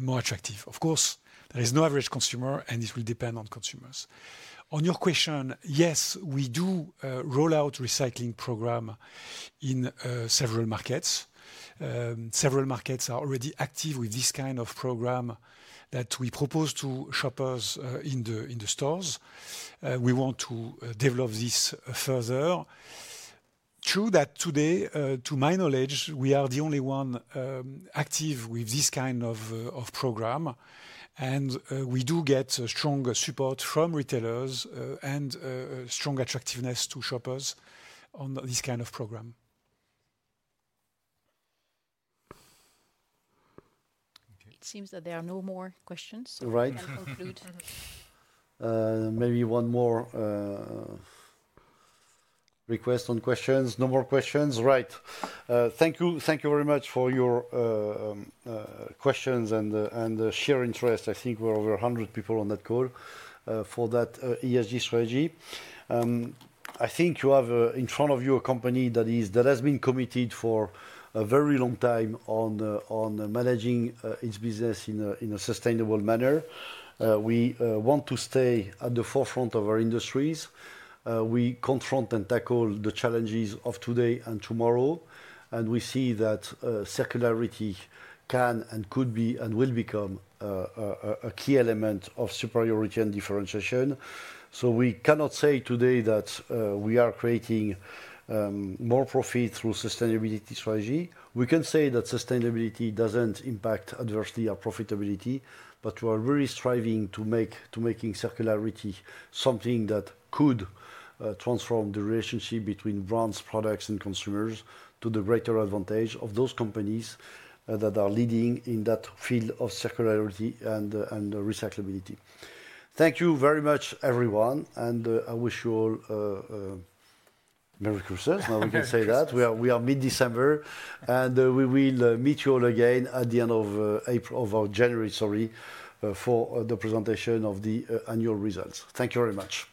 more attractive. Of course, there is no average consumer, and this will depend on consumers. On your question, yes, we do roll out a recycling program in several markets. Several markets are already active with this kind of program that we propose to shoppers in the stores. We want to develop this further. True that today, to my knowledge, we are the only one active with this kind of program, and we do get strong support from retailers and strong attractiveness to shoppers on this kind of program. It seems that there are no more questions. Right. Maybe one more request on questions. No more questions. Right. Thank you very much for your questions and shared interest. I think we're over 100 people on that call for that ESG strategy. I think you have in front of you a company that has been committed for a very long time on managing its business in a sustainable manner. We want to stay at the forefront of our industries. We confront and tackle the challenges of today and tomorrow. And we see that circularity can and could be and will become a key element of superiority and differentiation. So we cannot say today that we are creating more profit through sustainability strategy. We can say that sustainability doesn't impact adversely our profitability, but we are really striving to make circularity something that could transform the relationship between brands, products, and consumers to the greater advantage of those companies that are leading in that field of circularity and recyclability. Thank you very much, everyone. And I wish you all Merry Christmas. Now we can say that. We are mid-December, and we will meet you all again at the end of April or January, sorry, for the presentation of the annual results. Thank you very much.